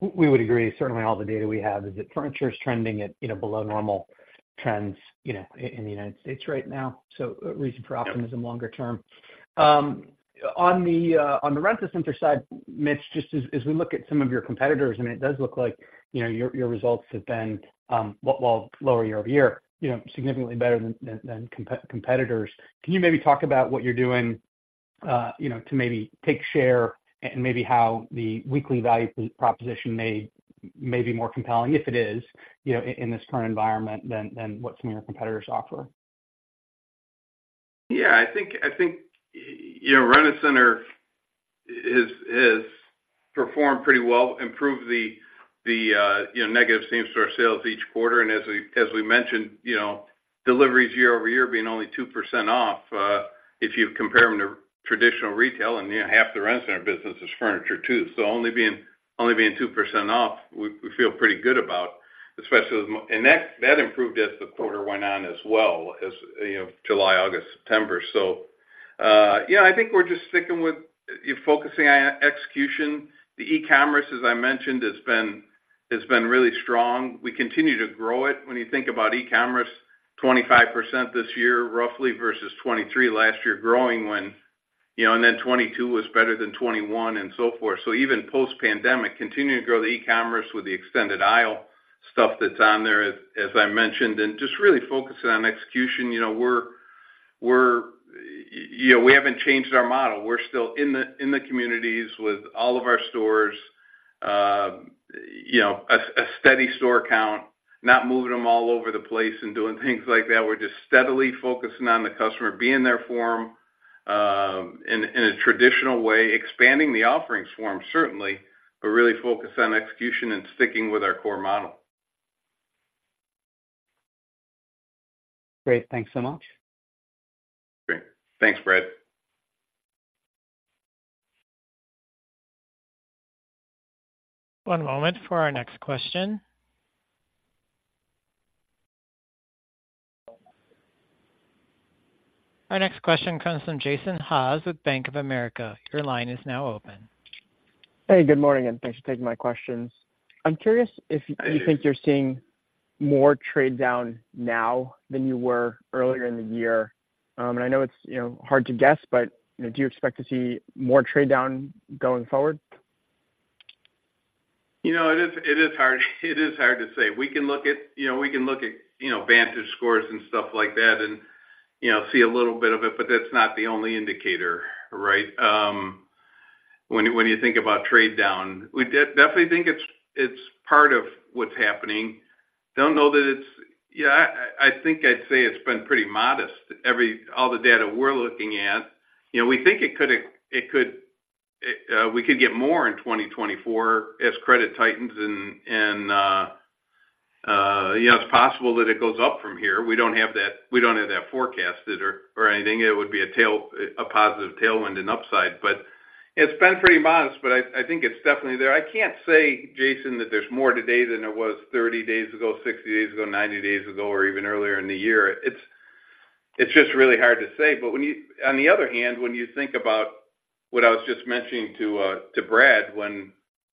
We would agree. Certainly, all the data we have is that furniture is trending at, you know, below normal trends, you know, in the United States right now, so reason for optimism longer term. On the, on the Rent-A-Center side, Mitch, just as we look at some of your competitors, I mean, it does look like, you know, your results have been, well, lower year-over-year, you know, significantly better than competitors. Can you maybe talk about what you're doing, you know, to maybe take share and maybe how the weekly value proposition may be more compelling, if it is, you know, in this current environment than what some of your competitors offer? Yeah, I think you know, Rent-A-Center has performed pretty well, improved the negative same-store sales each quarter. As we mentioned, you know, deliveries year-over-year being only 2% off, if you compare them to traditional retail, and you know, half the Rent-A-Center business is furniture, too. So only being 2% off, we feel pretty good about, especially as. And that improved as the quarter went on as well, as you know, July, August, September. So, yeah, I think we're just sticking with focusing on execution. The e-commerce, as I mentioned, has been really strong. We continue to grow it. When you think about e-commerce, 25% this year, roughly, versus 23% last year, growing when you know, and then 2022 was better than 2021, and so forth. So even post-pandemic, continuing to grow the e-commerce with the Extended Aisle stuff that's on there, as I mentioned, and just really focusing on execution. You know, we're you know, we haven't changed our model. We're still in the communities with all of our stores, you know, a steady store count, not moving them all over the place and doing things like that. We're just steadily focusing on the customer, being there for them, in a traditional way, expanding the offerings from, certainly, but really focused on execution and sticking with our core model. Great. Thanks so much. Great. Thanks, Brad. One moment for our next question. Our next question comes from Jason Haas with Bank of America. Your line is now open. Hey, good morning, and thanks for taking my questions. I'm curious if you think you're seeing more trade down now than you were earlier in the year? And I know it's, you know, hard to guess, but, you know, do you expect to see more trade down going forward? You know, it is hard to say. We can look at VantageScores and stuff like that, you know, and see a little bit of it, but that's not the only indicator, right? When you think about trade down, we definitely think it's part of what's happening. Don't know that it's. Yeah, I think I'd say it's been pretty modest. All the data we're looking at, you know, we think it could, we could get more in 2024 as credit tightens, and you know, it's possible that it goes up from here. We don't have that forecasted or anything. It would be a positive tailwind and upside, but it's been pretty modest. But I, I think it's definitely there. I can't say, Jason, that there's more today than there was 30 days ago, 60 days ago, 90 days ago, or even earlier in the year. It's, it's just really hard to say. But when you. On the other hand, when you think about what I was just mentioning to Brad, when,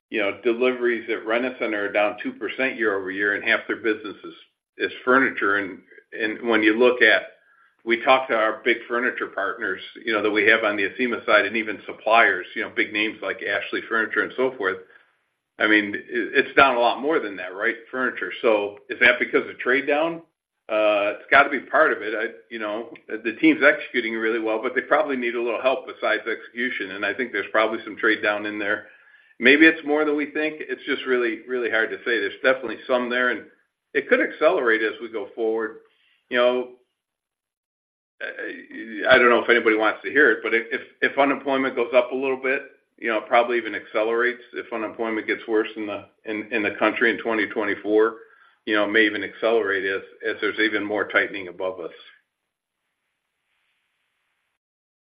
you know, deliveries at Rent-A-Center are down 2% year-over-year, and half their business is furniture. And when you look at. We talked to our big furniture partners, you know, that we have on the Acima side and even suppliers, you know, big names like Ashley Furniture and so forth. I mean, it's down a lot more than that, right? Furniture. So is that because of trade down? It's got to be part of it. You know, the team's executing really well, but they probably need a little help besides execution, and I think there's probably some trade down in there. Maybe it's more than we think. It's just really, really hard to say. There's definitely some there, and it could accelerate as we go forward. You know, I don't know if anybody wants to hear it, but if unemployment goes up a little bit, you know, it probably even accelerates. If unemployment gets worse in the country in 2024, you know, it may even accelerate as there's even more tightening above us.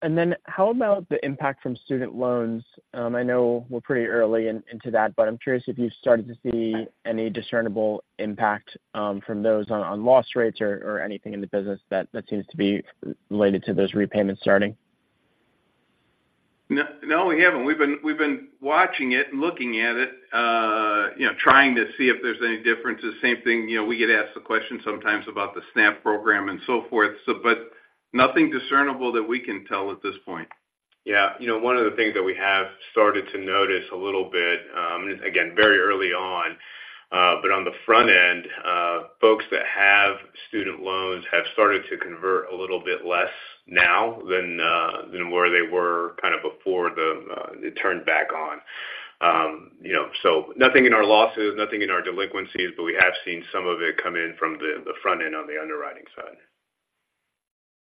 Then how about the impact from student loans? I know we're pretty early into that, but I'm curious if you've started to see any discernible impact from those on loss rates or anything in the business that seems to be related to those repayments starting? No, no, we haven't. We've been, we've been watching it and looking at it, you know, trying to see if there's any differences. Same thing, you know, we get asked the question sometimes about the SNAP program and so forth, so but nothing discernible that we can tell at this point. Yeah, you know, one of the things that we have started to notice a little bit, again, very early on, but on the front end, folks that have student loans have started to convert a little bit less now than where they were kind of before it turned back on. You know, so nothing in our losses, nothing in our delinquencies, but we have seen some of it come in from the front end on the underwriting side.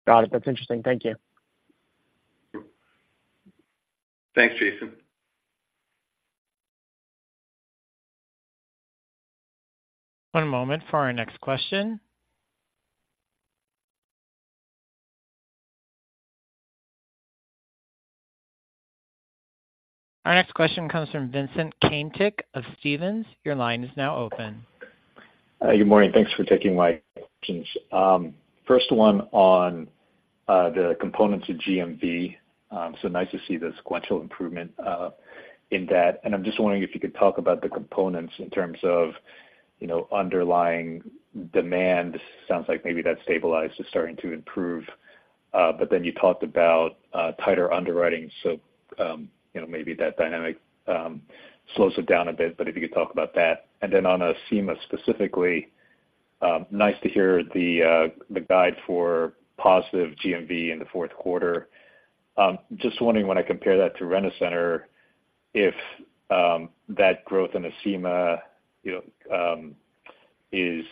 Got it. That's interesting. Thank you. Thanks, Jason. One moment for our next question. Our next question comes from Vincent Caintic of Stephens. Your line is now open. Good morning. Thanks for taking my questions. First one on the components of GMV. So nice to see the sequential improvement in that. And I'm just wondering if you could talk about the components in terms of, you know, underlying demand. Sounds like maybe that's stabilized, it's starting to improve, but then you talked about tighter underwriting. So, you know, maybe that dynamic slows it down a bit, but if you could talk about that. And then on Acima specifically, nice to hear the guide for positive GMV in the fourth quarter. Just wondering when I compare that to Rent-A-Center, if that growth in Acima, you know, is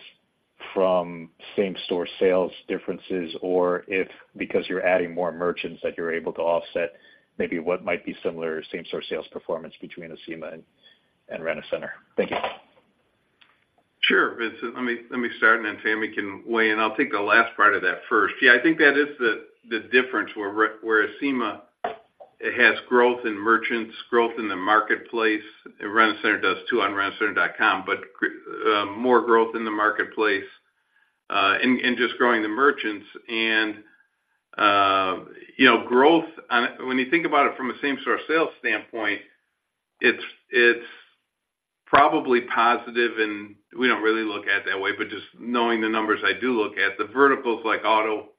from same-store sales differences, or if because you're adding more merchants that you're able to offset maybe what might be similar same-store sales performance between Acima and Rent-A-Center? Thank you. Sure, Vincent. Let me, let me start, and then Fahmi can weigh in. I'll take the last part of that first. Yeah, I think that is the, the difference, where where Acima has growth in merchants, growth in the marketplace, Rent-A-Center does, too, on rentacenter.com, but more growth in the marketplace, and, and just growing the merchants. And, you know, growth on it-- When you think about it from a same-store sales standpoint, it's, it's probably positive, and we don't really look at it that way, but just knowing the numbers I do look at, the verticals like auto,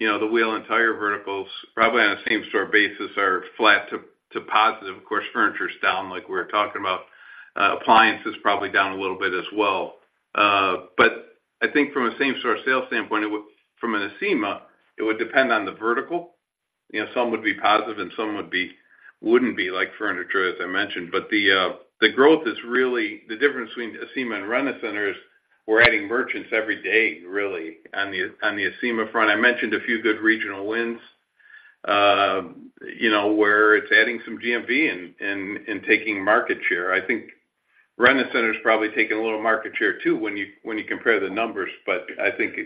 you know, the wheel and tire verticals, probably on a same-store basis, are flat to, to positive. Of course, furniture's down, like we were talking about. Appliances probably down a little bit as well. But I think from a same-store sales standpoint, it would from an Acima, it would depend on the vertical. You know, some would be positive and some wouldn't be, like furniture, as I mentioned. But the growth is really the difference between Acima and Rent-A-Center is we're adding merchants every day, really, on the Acima front. I mentioned a few good regional wins, you know, where it's adding some GMV and taking market share. I think Rent-A-Center's probably taking a little market share, too, when you compare the numbers. But I think,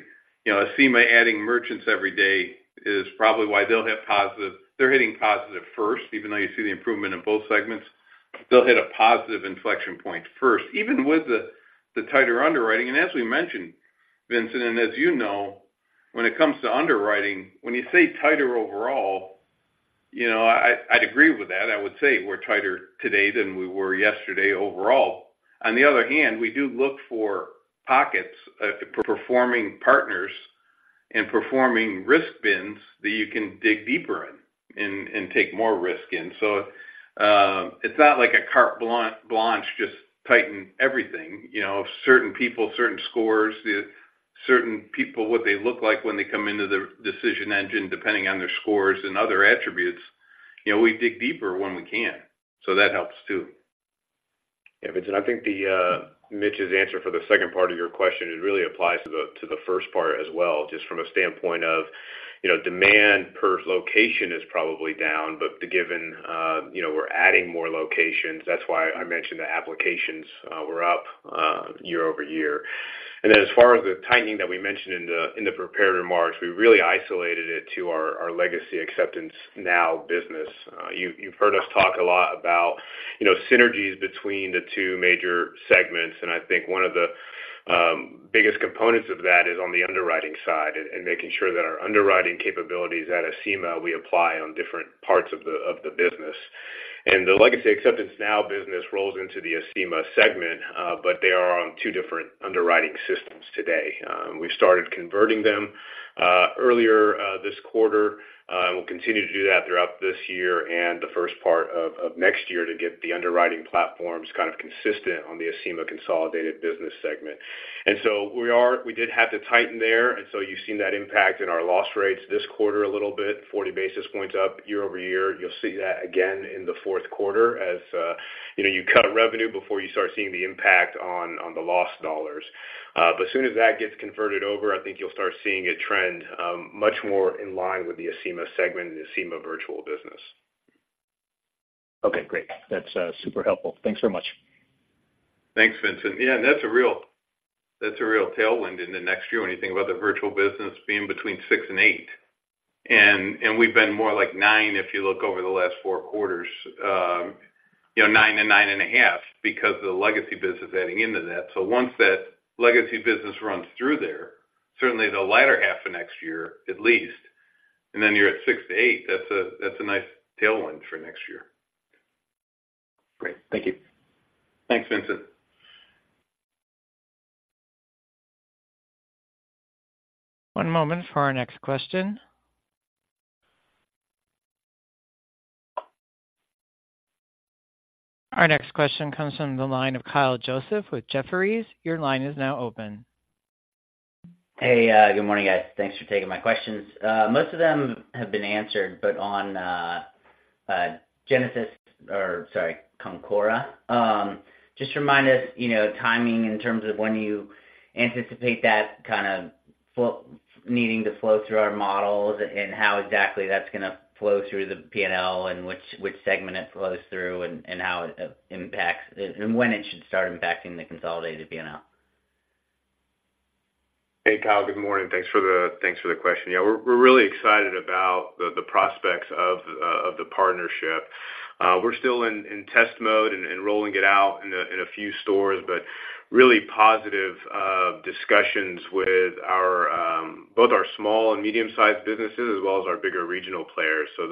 you know, Acima adding merchants every day is probably why they'll hit positive. They're hitting positive first, even though you see the improvement in both segments. They'll hit a positive inflection point first, even with the tighter underwriting. And as we mentioned, Vincent, and as you know, when it comes to underwriting, when you say tighter overall... You know, I, I'd agree with that. I would say we're tighter today than we were yesterday overall. On the other hand, we do look for pockets of performing partners and performing risk bins that you can dig deeper in and, and take more risk in. So, it's not like carte blanche, just tighten everything. You know, certain people, certain scores, certain people, what they look like when they come into the decision engine, depending on their scores and other attributes, you know, we dig deeper when we can, so that helps too. Yeah, Vincent, I think the Mitch's answer for the second part of your question, it really applies to the to the first part as well, just from a standpoint of, you know, demand per location is probably down, but given, you know, we're adding more locations, that's why I mentioned the applications were up year-over-year. Then as far as the tightening that we mentioned in the in the prepared remarks, we really isolated it to our our legacy AcceptanceNOW business. You've heard us talk a lot about, you know, synergies between the two major segments, and I think one of the biggest components of that is on the underwriting side and making sure that our underwriting capabilities at Acima, we apply on different parts of the of the business. The legacy AcceptanceNOW business rolls into the Acima segment, but they are on two different underwriting systems today. We started converting them earlier this quarter. And we'll continue to do that throughout this year and the first part of next year to get the underwriting platforms kind of consistent on the Acima consolidated business segment. And so we did have to tighten there, and so you've seen that impact in our loss rates this quarter, a little bit, 40 basis points up year-over-year. You'll see that again in the fourth quarter as you know, you cut revenue before you start seeing the impact on the loss dollars. But as soon as that gets converted over, I think you'll start seeing a trend much more in line with the Acima segment and Acima virtual business. Okay, great. That's super helpful. Thanks so much. Thanks, Vincent. Yeah, and that's a real, that's a real tailwind in the next year when you think about the virtual business being between six and eight. And, and we've been more like nine, if you look over the last four quarters, you know, nine to nine and a half, because of the legacy business adding into that. So once that legacy business runs through there, certainly the latter half of next year, at least, and then you're at six to eight, that's a, that's a nice tailwind for next year. Great. Thank you. Thanks, Vincent. One moment for our next question. Our next question comes from the line of Kyle Joseph with Jefferies. Your line is now open. Hey, good morning, guys. Thanks for taking my questions. Most of them have been answered, but on Genesis, or sorry, Concora, just remind us, you know, timing in terms of when you anticipate that kind of flow needing to flow through our models and how exactly that's gonna flow through the P&L, and which segment it flows through, and how it impacts, and when it should start impacting the consolidated P&L. Hey, Kyle, good morning. Thanks for the question. Yeah, we're really excited about the prospects of the partnership. We're still in test mode and rolling it out in a few stores, but really positive discussions with our both our small and medium-sized businesses, as well as our bigger regional players. So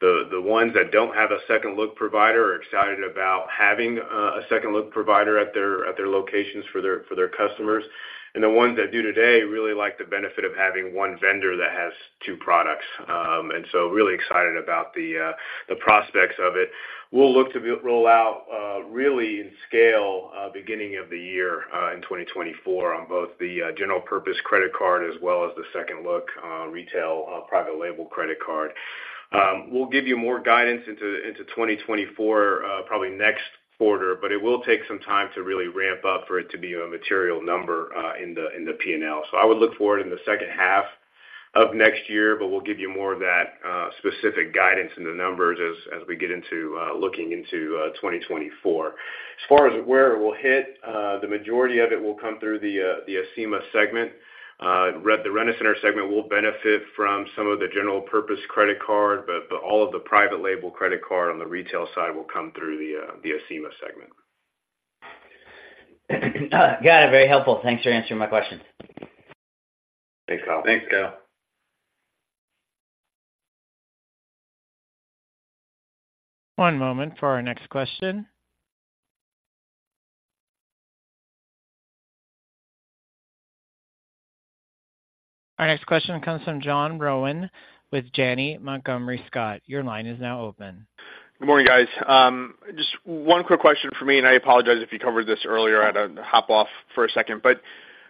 the ones that don't have a Second Look provider are excited about having a Second Look provider at their locations for their customers. And the ones that do today really like the benefit of having one vendor that has two products. And so really excited about the prospects of it. We'll look to roll out, really in scale, beginning of the year, in 2024 on both the, general purpose credit card as well as the second look, retail, private label credit card. We'll give you more guidance into, into 2024, probably next quarter, but it will take some time to really ramp up for it to be a material number, in the, in the P&L. So I would look for it in the second half of next year, but we'll give you more of that, specific guidance in the numbers as, as we get into, looking into, 2024. As far as where it will hit, the majority of it will come through the, the Acima segment. The Rent-A-Center segment will benefit from some of the general purpose credit card, but all of the private label credit card on the retail side will come through the Acima segment. Got it. Very helpful. Thanks for answering my questions. Thanks, Kyle. Thanks, Kyle. One moment for our next question. Our next question comes from John Rowan with Janney Montgomery Scott. Your line is now open. Good morning, guys. Just one quick question for me, and I apologize if you covered this earlier. I had to hop off for a second.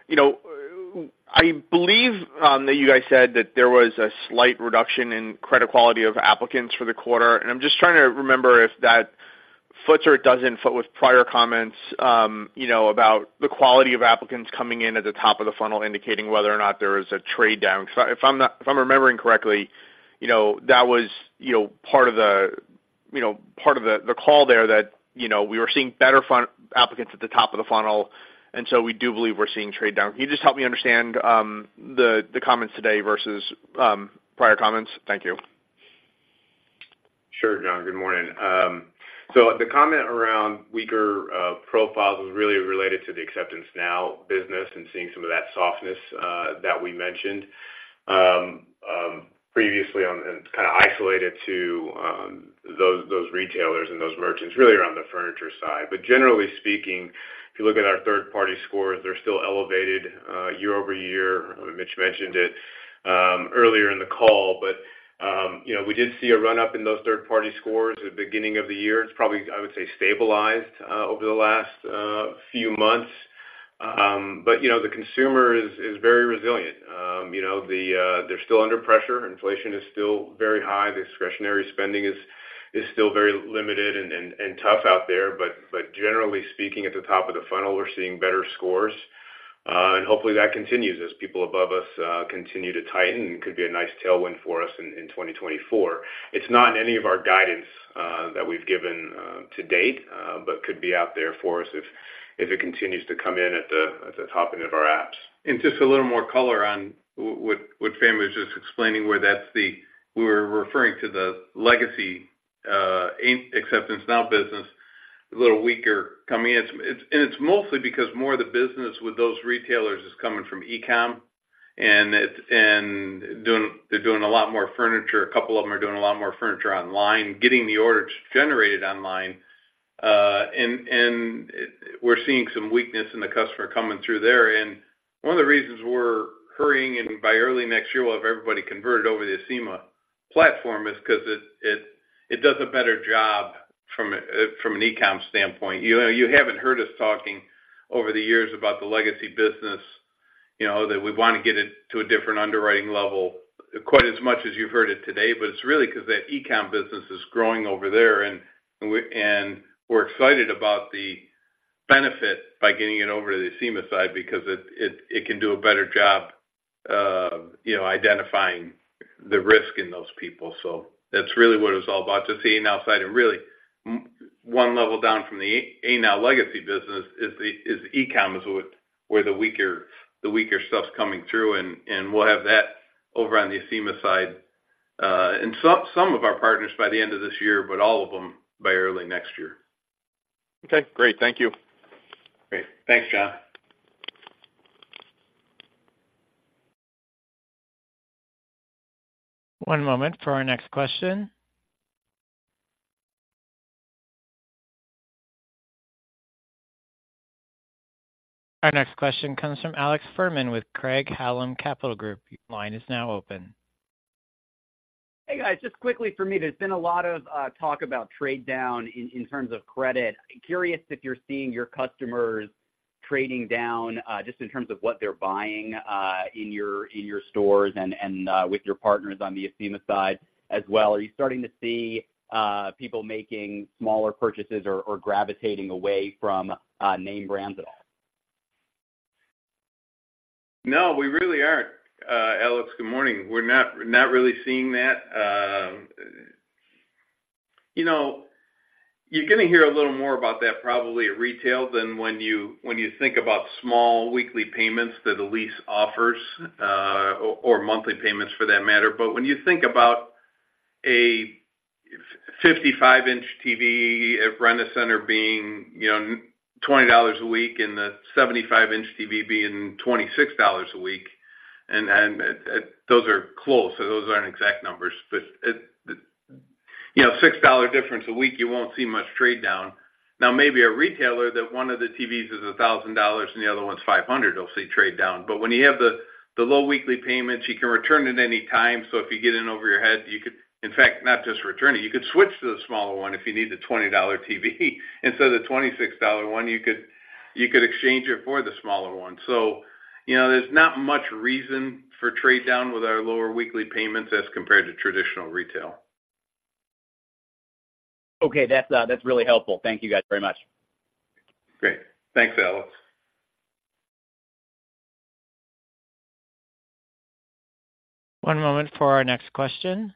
You know, I believe that you guys said that there was a slight reduction in credit quality of applicants for the quarter. I'm just trying to remember if that fits or it doesn't fit with prior comments, you know, about the quality of applicants coming in at the top of the funnel, indicating whether or not there is a trade down. So if I'm not, if I'm remembering correctly, you know, that was, you know, part of the, you know, part of the, the call there that, you know, we were seeing better applicants at the top of the funnel, and so we do believe we're seeing trade down. Can you just help me understand the comments today versus prior comments? Thank you. Sure, John. Good morning. So the comment around weaker profiles was really related to the AcceptanceNOW business and seeing some of that softness that we mentioned previously on and kind of isolated to those retailers and those merchants, really around the furniture side. But generally speaking, if you look at our third-party scores, they're still elevated year-over-year. Mitch mentioned it earlier in the call. But you know, we did see a run-up in those third-party scores at the beginning of the year. It's probably, I would say, stabilized over the last few months. But you know, the consumer is very resilient. You know, the they're still under pressure. Inflation is still very high. Discretionary spending is still very limited and tough out there. But generally speaking, at the top of the funnel, we're seeing better scores, and hopefully, that continues as people above us continue to tighten. It could be a nice tailwind for us in 2024. It's not in any of our guidance that we've given to date, but could be out there for us if it continues to come in at the top end of our apps. And just a little more color on what Fahmi was just explaining, where that's the legacy AcceptanceNOW business, a little weaker coming in. And it's mostly because more of the business with those retailers is coming from e-com, and they're doing a lot more furniture. A couple of them are doing a lot more furniture online, getting the orders generated online, and we're seeing some weakness in the customer coming through there. And one of the reasons we're hurrying, and by early next year, we'll have everybody converted over to the Acima platform, is because it does a better job from an e-com standpoint. You know, you haven't heard us talking over the years about the legacy business, you know, that we want to get it to a different underwriting level, quite as much as you've heard it today, but it's really because that e-com business is growing over there, and we're excited about the benefit by getting it over to the Acima side because it can do a better job of, you know, identifying the risk in those people. So that's really what it's all about, just seeing outside. And really, one level down from the AcceptanceNOW legacy business is the e-com, is what, where the weaker, the weaker stuff's coming through, and we'll have that over on the Acima side, and some of our partners by the end of this year, but all of them by early next year. Okay, great. Thank you. Great. Thanks, John. One moment for our next question. Our next question comes from Alex Fuhrman with Craig-Hallum Capital Group. Your line is now open. Hey, guys, just quickly for me. There's been a lot of talk about trade-down in terms of credit. Curious if you're seeing your customers trading down just in terms of what they're buying in your stores and with your partners on the Acima side as well. Are you starting to see people making smaller purchases or gravitating away from name brands at all? No, we really aren't, Alex, good morning. We're not, not really seeing that. You know, you're going to hear a little more about that probably at retail than when you think about small weekly payments that a lease offers, or monthly payments for that matter. But when you think about a 55-inch TV at Rent-A-Center being $20 a week and the 75-inch TV being $26 a week, and those are close, so those aren't exact numbers. But you know, the $6 difference a week, you won't see much trade down. Now, maybe a retailer that one of the TVs is $1,000 and the other one's $500, you'll see trade down. But when you have the low weekly payments, you can return it anytime. So if you get in over your head, you could, in fact, not just return it, you could switch to the smaller one if you need the $20 TV instead of the $26 one, you could, you could exchange it for the smaller one. So, you know, there's not much reason for trade down with our lower weekly payments as compared to traditional retail. Okay. That's, that's really helpful. Thank you, guys, very much. Great. Thanks, Alex. One moment for our next question.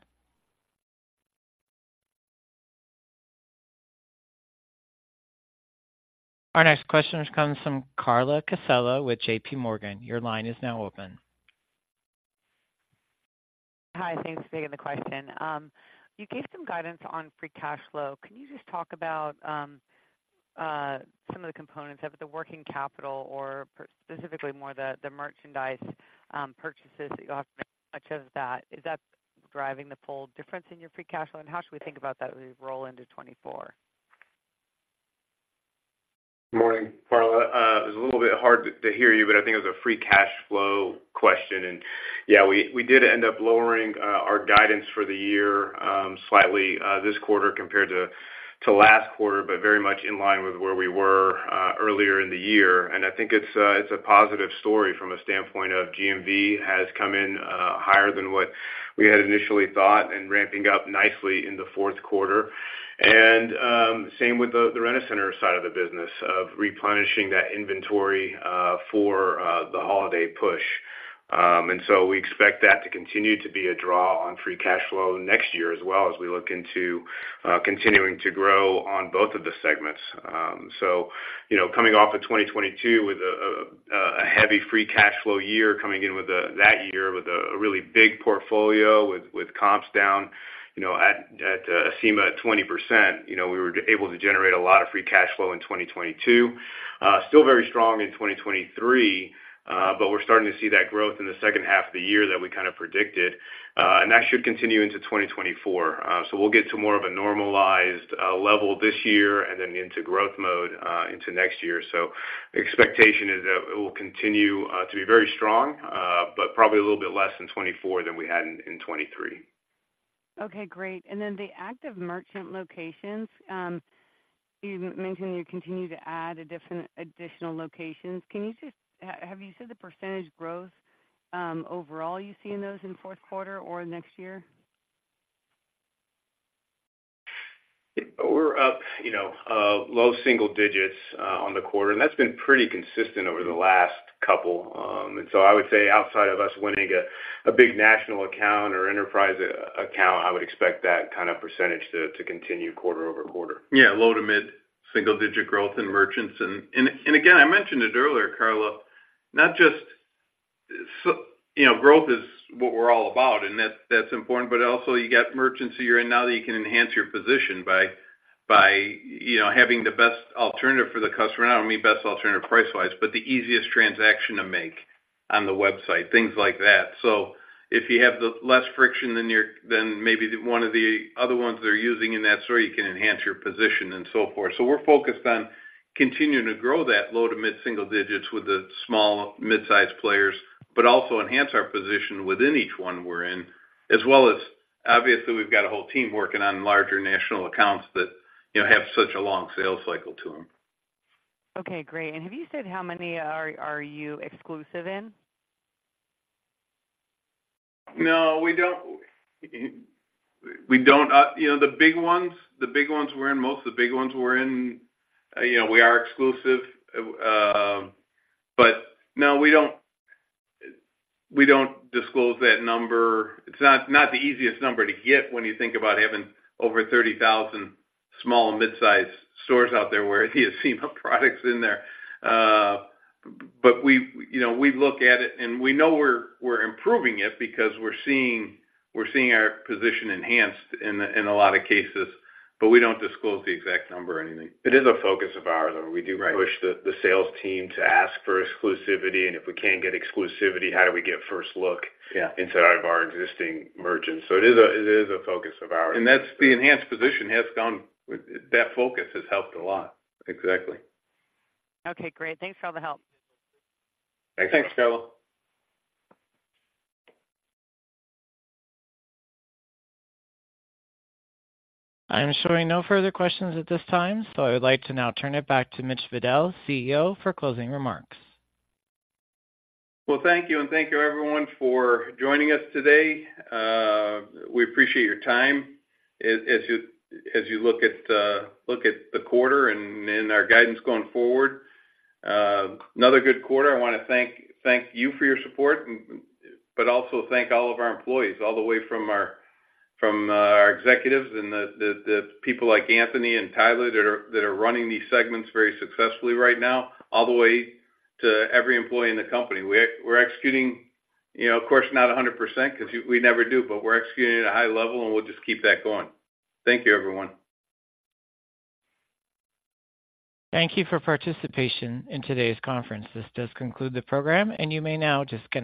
Our next question comes from Carla Casella with JPMorgan. Your line is now open. Hi, thanks for taking the question. You gave some guidance on free cash flow. Can you just talk about some of the components of the working capital or specifically more the, the merchandise purchases that you offered? How much of that, is that driving the full difference in your free cash flow, and how should we think about that as we roll into 2024? Morning, Carla. It was a little bit hard to hear you, but I think it was a free cash flow question. Yeah, we did end up lowering our guidance for the year slightly this quarter compared to last quarter, but very much in line with where we were earlier in the year. I think it's a positive story from a standpoint of GMV has come in higher than what we had initially thought and ramping up nicely in the fourth quarter. Same with the Rent-A-Center side of the business of replenishing that inventory for the holiday push. So we expect that to continue to be a draw on free cash flow next year, as well as we look into continuing to grow on both of the segments. So you know, coming off of 2022 with a heavy free cash flow year, coming in with a that year with a really big portfolio, with comps down, you know, at Acima, at 20%, you know, we were able to generate a lot of free cash flow in 2022. Still very strong in 2023, but we're starting to see that growth in the second half of the year that we kind of predicted, and that should continue into 2024. So we'll get to more of a normalized level this year and then into growth mode into next year. So the expectation is that it will continue to be very strong, but probably a little bit less in '2024 than we had in '2023. Okay, great. And then the active merchant locations, you mentioned you continue to add additional locations. Have you said the percentage growth, overall, you see in those in fourth quarter or next year? We're up, you know, low single digits on the quarter, and that's been pretty consistent over the last couple. And so I would say outside of us winning a big national account or enterprise account, I would expect that kind of percentage to continue quarter-over-quarter. Yeah, low to mid single-digit growth in merchants. And again, I mentioned it earlier, Carla, not just so, you know, growth is what we're all about, and that's important, but also you got merchants that you're in now that you can enhance your position by, you know, having the best alternative for the customer. And I don't mean best alternative price-wise, but the easiest transaction to make on the website, things like that. So if you have the less friction than your than maybe one of the other ones they're using in that store, you can enhance your position and so forth. So we're focused on continuing to grow that low- to mid-single-digits with the small- to mid-sized players, but also enhance our position within each one we're in, as well as obviously, we've got a whole team working on larger national accounts that, you know, have such a long sales cycle to them. Okay, great. And have you said how many are you exclusive in? No, we don't. We don't, you know, the big ones, the big ones we're in, most of the big ones we're in, you know, we are exclusive. But no, we don't, we don't disclose that number. It's not, not the easiest number to get when you think about having over 30,000 small and mid-sized stores out there where the Acima products in there. But we, you know, we look at it, and we know we're, we're improving it because we're seeing, we're seeing our position enhanced in a, in a lot of cases, but we don't disclose the exact number or anything. It is a focus of ours, though. Right. We do push the sales team to ask for exclusivity, and if we can't get exclusivity, how do we get first look- Yeah inside of our existing merchants? So it is a, it is a focus of ours. That's the enhanced position has gone... With that focus, has helped a lot. Exactly. Okay, great. Thanks for all the help. Thanks, Carla. Thanks, Carla. I'm showing no further questions at this time, so I would like to now turn it back to Mitch Fadel, CEO, for closing remarks. Well, thank you, and thank you, everyone, for joining us today. We appreciate your time. As you look at the quarter and then our guidance going forward, another good quarter. I want to thank you for your support, but also thank all of our employees, all the way from our executives and the people like Anthony and Tyler that are running these segments very successfully right now, all the way to every employee in the company. We're executing, you know, of course, not 100% because we never do, but we're executing at a high level, and we'll just keep that going. Thank you, everyone. Thank you for your participation in today's conference. This does conclude the program, and you may now disconnect.